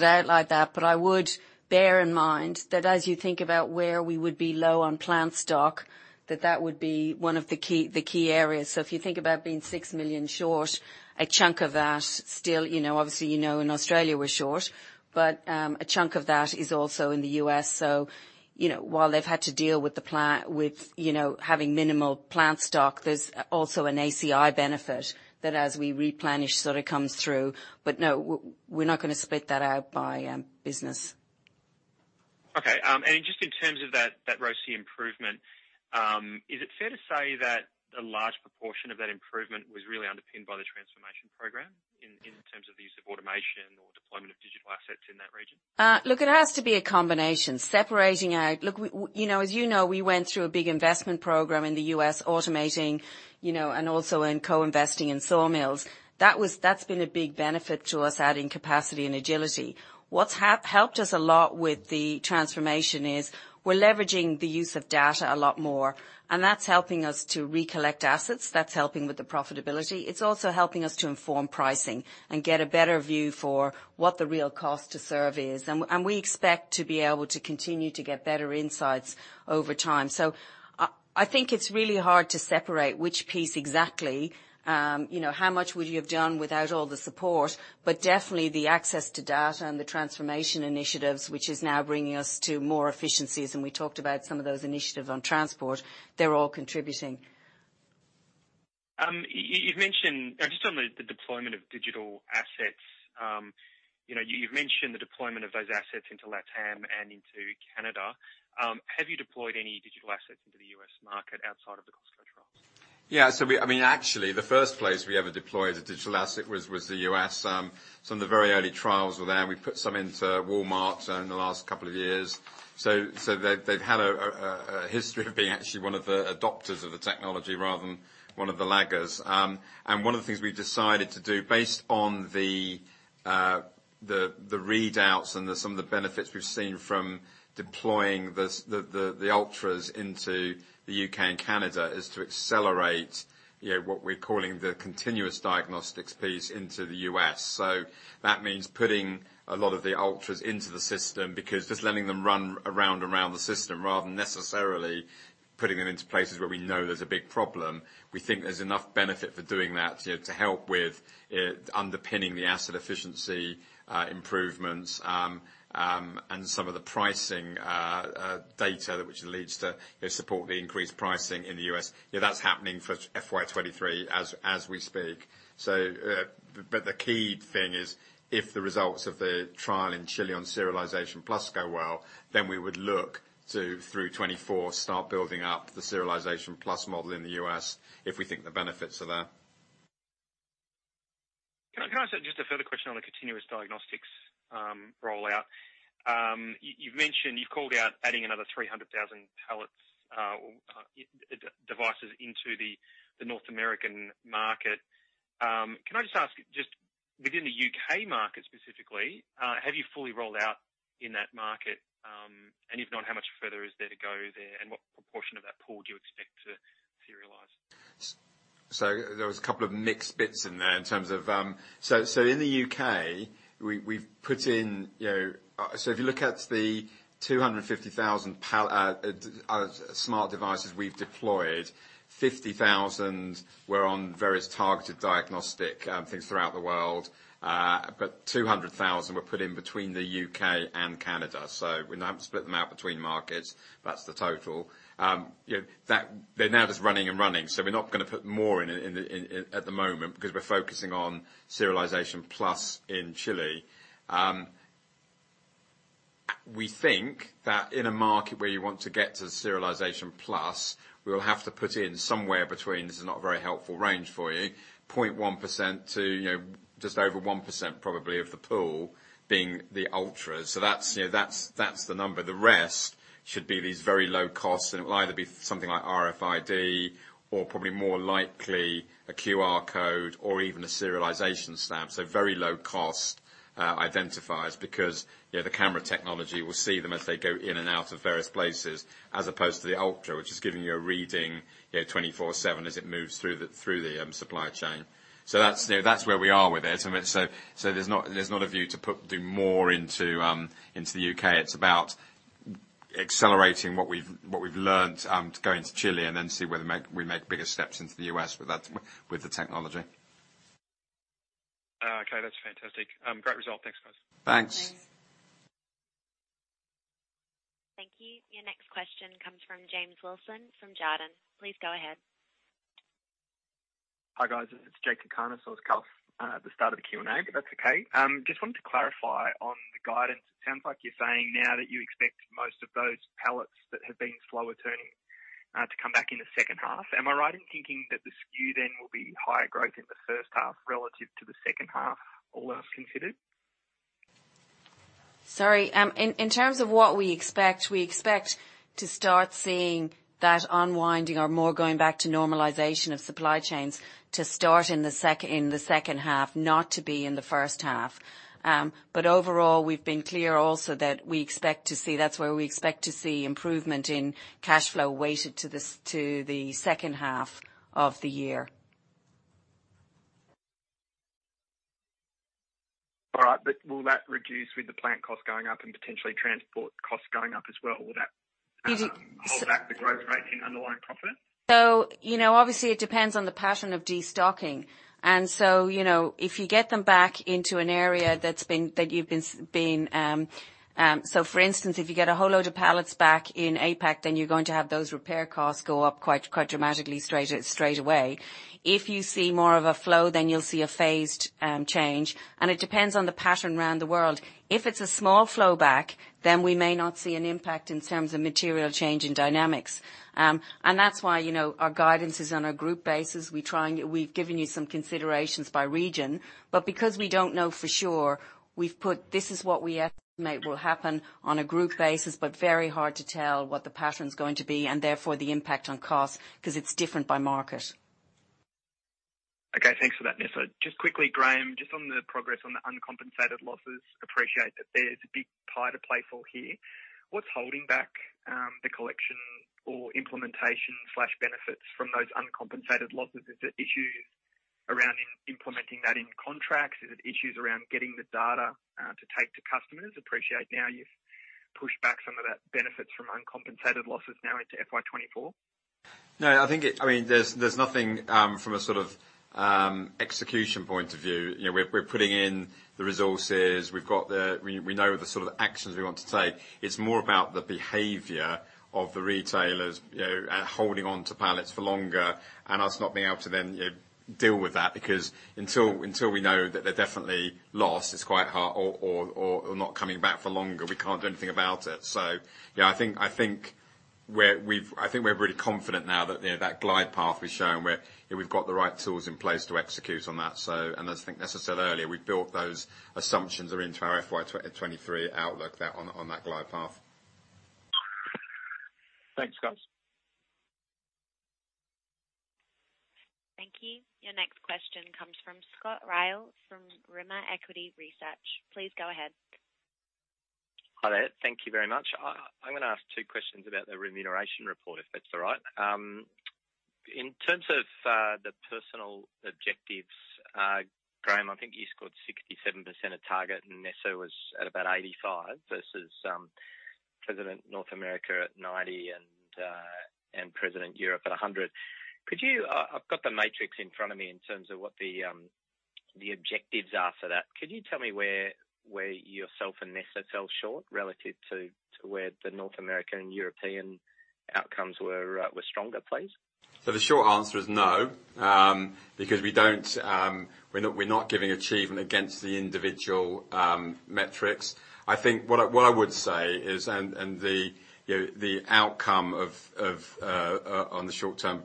[SPEAKER 3] I would bear in mind that as you think about where we would be low on pallet stock, that would be one of the key areas. If you think about being 6 million short, a chunk of that still, you know, obviously, you know in Australia we're short, but a chunk of that is also in the U.S. You know, while they've had to deal with, you know, having minimal pallet stock, there's also an ACI benefit that as we replenish, sort of comes through. No, we're not gonna split that out by business.
[SPEAKER 12] Just in terms of that ROIC improvement, is it fair to say that a large proportion of that improvement was really underpinned by the transformation program in terms of the use of automation or deployment of digital assets in that region?
[SPEAKER 3] Look, it has to be a combination. Look, you know, as you know, we went through a big investment program in the U.S., automating, you know, and also in co-investing in sawmills. That's been a big benefit to us, adding capacity and agility. What's helped us a lot with the transformation is we're leveraging the use of data a lot more, and that's helping us to recollect assets, that's helping with the profitability. It's also helping us to inform pricing and get a better view for what the real cost to serve is. We expect to be able to continue to get better insights over time. I think it's really hard to separate which piece exactly, you know, how much would you have done without all the support. Definitely the access to data and the transformation initiatives, which is now bringing us to more efficiencies, and we talked about some of those initiatives on transport, they're all contributing.
[SPEAKER 12] You've mentioned, just on the deployment of digital assets. You know, you've mentioned the deployment of those assets into LatAm and into Canada. Have you deployed any digital assets into the U.S. market outside of the Costco trials?
[SPEAKER 2] I mean, actually, the first place we ever deployed a digital asset was the U.S. Some of the very early trials were there, and we put some into Walmart in the last couple of years. They've had a history of being actually one of the adopters of the technology rather than one of the laggards. One of the things we've decided to do based on the readouts and some of the benefits we've seen from deploying this, the Ultras into the U.K. and Canada, is to accelerate, you know, what we're calling the continuous diagnostics piece into the U.S. That means putting a lot of the Ultras into the system because just letting them run around and around the system rather than necessarily putting them into places where we know there's a big problem. We think there's enough benefit for doing that to help with underpinning the asset efficiency improvements and some of the pricing data which leads to, you know, support the increased pricing in the U.S. You know, that's happening for FY 2023 as we speak. The key thing is, if the results of the trial in Chile on Serialisation+ go well, then we would look to, through 2024, start building up the Serialisation+ model in the U.S. if we think the benefits are there.
[SPEAKER 12] Can I ask just a further question on the continuous diagnostics rollout? You've mentioned, you've called out adding another 300,000 pallets devices into the North American market. Can I just ask within the U.K. market specifically, have you fully rolled out in that market? If not, how much further is there to go there, and what proportion of that pool do you expect to serialize?
[SPEAKER 2] There was a couple of mixed bits in there in terms of in the U.K. we've put in, you know. If you look at the 250,000 smart devices we've deployed, 50,000 were on various targeted diagnostics things throughout the world. But 200,000 were put in between the U.K. and Canada. We're not splitting them out between markets. That's the total. You know, they're now just running and running, so we're not gonna put more in in the at the moment because we're focusing on Serialisation+ in Chile. We think that in a market where you want to get to Serialisation+, we will have to put in somewhere between, this is not a very helpful range for you, 0.1% to, you know, just over 1% probably of the pool being the Ultras. That's, you know, that's the number. The rest should be these very low costs, and it will either be something like RFID or probably more likely a QR code or even a serialization stamp. Very low cost identifiers because, you know, the camera technology will see them as they go in and out of various places, as opposed to the Ultras, which is giving you a reading, you know, 24/7 as it moves through the supply chain. That's, you know, that's where we are with it. There's not a view to do more into the U.K. It's about accelerating what we've learned to go into Chile and then see whether we make bigger steps into the U.S. with that, with the technology.
[SPEAKER 12] Okay, that's fantastic. Great result. Thanks, guys.
[SPEAKER 2] Thanks.
[SPEAKER 1] Thank you. Your next question comes from James Wilson from Jarden. Please go ahead.
[SPEAKER 13] Hi, guys. It's Jakob Cakarnis. The start of the Q&A, if that's okay. Just wanted to clarify on the guidance sound like you're saying now that you expect most of those pallets that have been slower turning to come back in the second half? Am I right at thinking that the skew then will be higher growth in the first half relative to the second half? All else succeeded.
[SPEAKER 3] Sorry. In terms of what we expect, we expect to start seeing that unwinding or more going back to normalization of supply chains to start in the second half, not to be in the first half. Overall, we've been clear also that we expect to see. That's where we expect to see improvement in cash flow weighted to the second half of the year. All right. Will that reduce with the plant cost going up and potentially transport costs going up as well? Will that? You see.
[SPEAKER 13] Hold back the growth rate in underlying profit?
[SPEAKER 3] You know, obviously it depends on the pattern of destocking. You know, if you get them back into an area that's been. For instance, if you get a whole load of pallets back in APAC, then you're going to have those repair costs go up quite dramatically straight away. If you see more of a flow, then you'll see a phased change, and it depends on the pattern around the world. If it's a small flowback, then we may not see an impact in terms of material change in dynamics. That's why, you know, our guidance is on a group basis. We've given you some considerations by region. Because we don't know for sure, we've put this as what we estimate will happen on a group basis, but very hard to tell what the pattern's going to be, and therefore the impact on costs, 'cause it's different by market.
[SPEAKER 13] Okay. Thanks for that, Nessa. Just quickly, Graham, just on the progress on the uncompensated losses. Appreciate that there's a big pie to play for here. What's holding back the collection or implementation benefits from those uncompensated losses? Is it issues around implementing that in contracts? Is it issues around getting the data to take to customers? Appreciate now you've pushed back some of that benefits from uncompensated losses now into FY 2024.
[SPEAKER 2] No, I think I mean, there's nothing from a sort of execution point of view. You know, we're putting in the resources. We know the sort of actions we want to take. It's more about the behavior of the retailers, you know, holding onto pallets for longer and us not being able to then, you know, deal with that. Because until we know that they're definitely lost, it's quite hard or not coming back for longer, we can't do anything about it. Yeah, I think we're really confident now that, you know, that glide path we've shown where, you know, we've got the right tools in place to execute on that. As I think Nessa said earlier, we've built those assumptions into our FY 2023 outlook there on that glide path.
[SPEAKER 13] Thanks, guys.
[SPEAKER 1] Thank you. Your next question comes from Scott Ryall from Rimor Equity Research. Please go ahead.
[SPEAKER 14] Hi there. Thank you very much. I'm gonna ask two questions about the remuneration report, if that's all right. In terms of the personal objectives, Graham, I think you scored 67% of target and Nessa was at about 85% versus President North America at 90% and President Europe at 100%. I've got the matrix in front of me in terms of what the objectives are for that. Could you tell me where yourself and Nessa fell short relative to where the North American, European outcomes were stronger, please?
[SPEAKER 2] The short answer is no, because we don't. We're not giving achievement against the individual metrics. I think what I would say is, and you know, the outcome on the short-term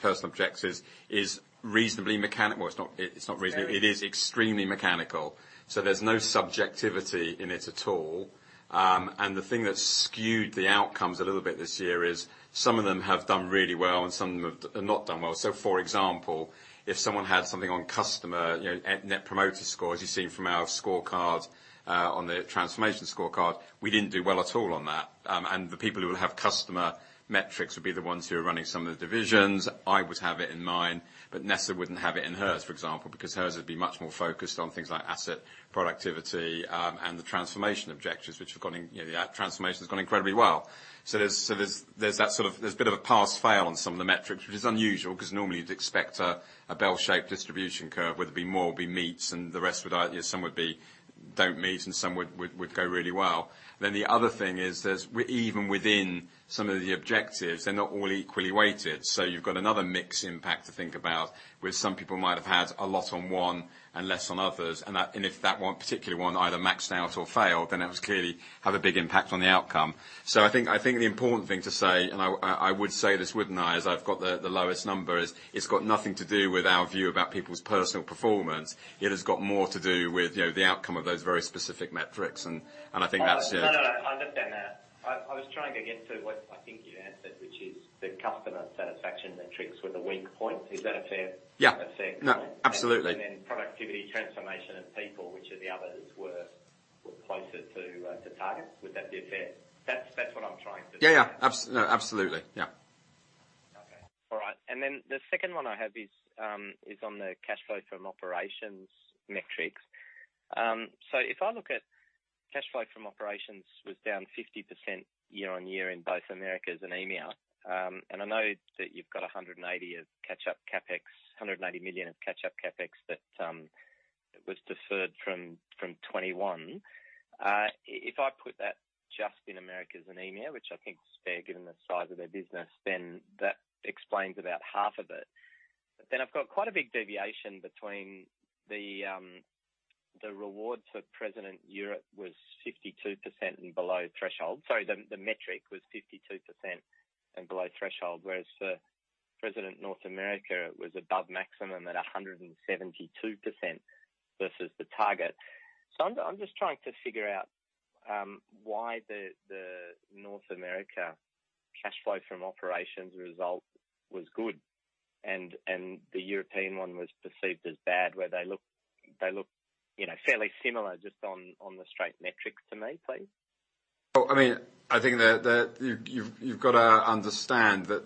[SPEAKER 2] personal objectives is reasonably mechanical. It's not reasonably-
[SPEAKER 14] Very.
[SPEAKER 2] It is extremely mechanical. There's no subjectivity in it at all. The thing that skewed the outcomes a little bit this year is some of them have done really well and some of them have not done well. For example, if someone had something on customer, you know, Net Promoter Score, as you've seen from our scorecard on the transformation scorecard, we didn't do well at all on that. The people who will have customer metrics would be the ones who are running some of the divisions. I would have it in mine, but Nessa wouldn't have it in hers, for example, because hers would be much more focused on things like asset productivity, and the transformation objectives which have gone in. You know, the transformation's gone incredibly well. There's that sort of. There's a bit of a pass-fail on some of the metrics, which is unusual 'cause normally you'd expect a bell-shaped distribution curve, whether it be more will be meets and the rest would either. Some would be don't meet and some would go really well. The other thing is there's even within some of the objectives, they're not all equally weighted. You've got another mix impact to think about, where some people might have had a lot on one and less on others, and if that one particular one either maxed out or failed, then it was clearly have a big impact on the outcome. I think the important thing to say, and I would say this, wouldn't I, as I've got the lowest number, is it's got nothing to do with our view about people's personal performance. It has got more to do with, you know, the outcome of those very specific metrics. I think that's it.
[SPEAKER 14] No, no. I understand that. I was trying to get to what I think you answered, which is the customer satisfaction metrics were the weak point. Is that a fair-
[SPEAKER 2] Yeah.
[SPEAKER 14] A fair comment?
[SPEAKER 2] No, absolutely.
[SPEAKER 14] Productivity, transformation and people, which are the others, were closer to target. That's what I'm trying to
[SPEAKER 2] Yeah. Yeah. No, absolutely. Yeah.
[SPEAKER 14] Okay. All right. The second one I have is on the cash flow from operations metrics. So if I look at cash flow from operations was down 50% year-on-year in both Americas and EMEA. I know that you've got $180 million of catch-up CapEx that was deferred from 2021. If I put that just in Americas and EMEA, which I think is fair given the size of their business, then that explains about half of it. I've got quite a big deviation between the rewards for President Europe was 52% and below threshold. Sorry, the metric was 52% and below threshold, whereas for President North America was above maximum at 172% versus the target. I'm just trying to figure out why the North America cash flow from operations result was good and the European one was perceived as bad, where they look you know fairly similar just on the straight metrics to me, please?
[SPEAKER 2] I mean, I think you've gotta understand that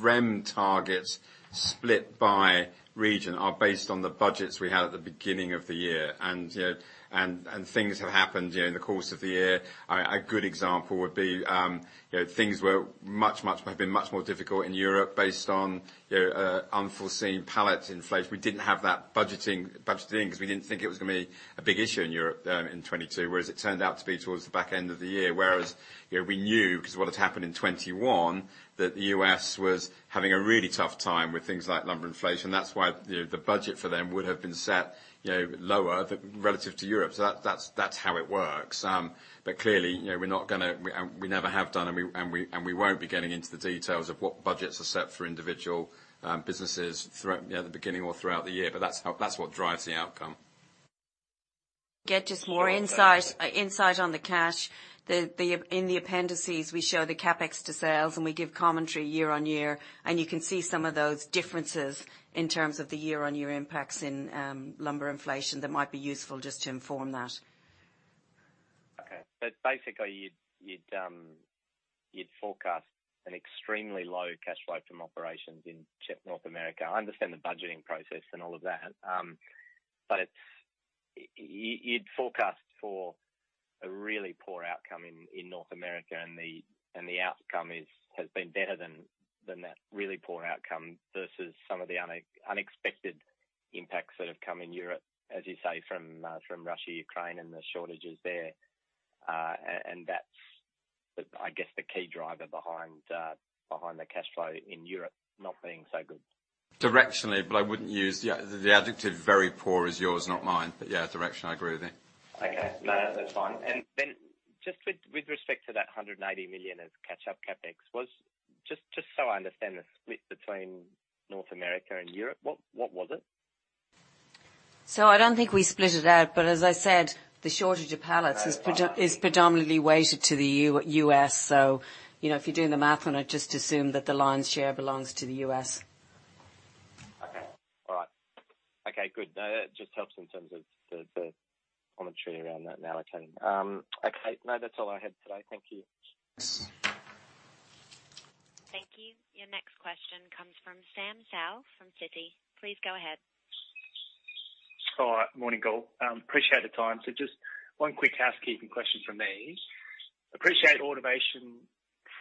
[SPEAKER 2] REM targets split by region are based on the budgets we had at the beginning of the year. You know, and things have happened during the course of the year. A good example would be, you know, things have been much more difficult in Europe based on, you know, unforeseen pallet inflation. We didn't have that budgeting 'cause we didn't think it was gonna be a big issue in Europe in 2022, whereas it turned out to be towards the back end of the year. You know, we knew, because of what had happened in 2021, that the U.S. was having a really tough time with things like lumber inflation. That's why, you know, the budget for them would have been set, you know, lower relative to Europe. That's how it works. Clearly, you know, we're not gonna. We never have done, and we won't be getting into the details of what budgets are set for individual businesses throughout, you know, the beginning or throughout the year. That's what drives the outcome.
[SPEAKER 3] Get just more insight on the cash. In the appendices, we show the CapEx to sales, and we give commentary year-on-year, and you can see some of those differences in terms of the year-on-year impacts in lumber inflation that might be useful just to inform that.
[SPEAKER 14] Okay. Basically, you'd forecast an extremely low cash flow from operations in North America. I understand the budgeting process and all of that. It's you'd forecast for a really poor outcome in North America, and the outcome has been better than that really poor outcome versus some of the unexpected impacts that have come in Europe, as you say, from Russia, Ukraine, and the shortages there. And that's, I guess, the key driver behind the cash flow in Europe not being so good.
[SPEAKER 2] Directionally, but I wouldn't use the adjective very poor is yours, not mine. Yeah, directionally I agree with you.
[SPEAKER 14] Okay. No, that's fine. Just with respect to that 180 million of catch-up CapEx. Just so I understand the split between North America and Europe, what was it?
[SPEAKER 3] I don't think we split it out, but as I said, the shortage of pallets is predominantly weighted to the U.S. You know, if you're doing the math on it, just assume that the lion's share belongs to the U.S.
[SPEAKER 14] Okay. All right. Okay, good. No, that just helps in terms of the commentary around that allocation. Okay. No, that's all I had today. Thank you.
[SPEAKER 3] Thanks.
[SPEAKER 1] Thank you. Your next question comes from Sam Seow from Citi. Please go ahead.
[SPEAKER 15] All right. Morning, all. Appreciate the time. Just one quick housekeeping question from me. Appreciate automation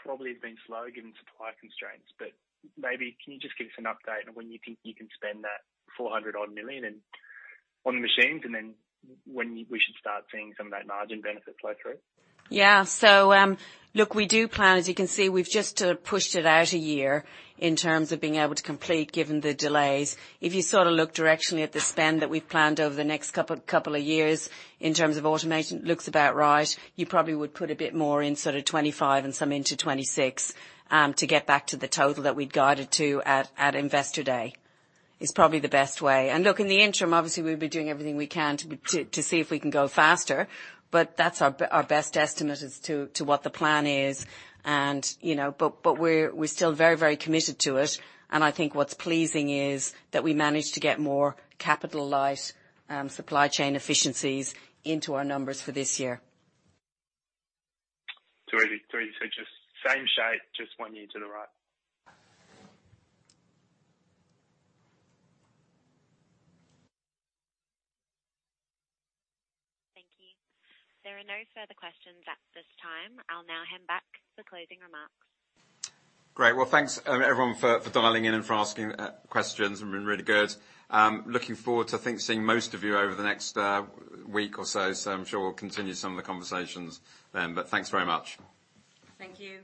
[SPEAKER 15] probably has been slow given supply constraints, but maybe can you just give us an update on when you think you can spend that $400-odd million on the machines, and then when we should start seeing some of that margin benefit flow through?
[SPEAKER 3] Yeah. Look, we do plan. As you can see, we've just pushed it out a year in terms of being able to complete, given the delays. If you sort of look directionally at the spend that we've planned over the next couple of years in terms of automation, it looks about right. You probably would put a bit more in sort of 2025 and some into 2026 to get back to the total that we'd guided to at Investor Day, is probably the best way. Look, in the interim, obviously, we'll be doing everything we can to see if we can go faster, but that's our best estimate as to what the plan is. You know. We're still very committed to it, and I think what's pleasing is that we managed to get more capital-light supply chain efficiencies into our numbers for this year.
[SPEAKER 15] 3. Just same shape, just one year to the right.
[SPEAKER 1] Thank you. There are no further questions at this time. I'll now hand back for closing remarks.
[SPEAKER 2] Great. Well, thanks, everyone for dialing in and for asking questions. They've been really good. Looking forward to, I think, seeing most of you over the next week or so. I'm sure we'll continue some of the conversations then. Thanks very much.
[SPEAKER 3] Thank you.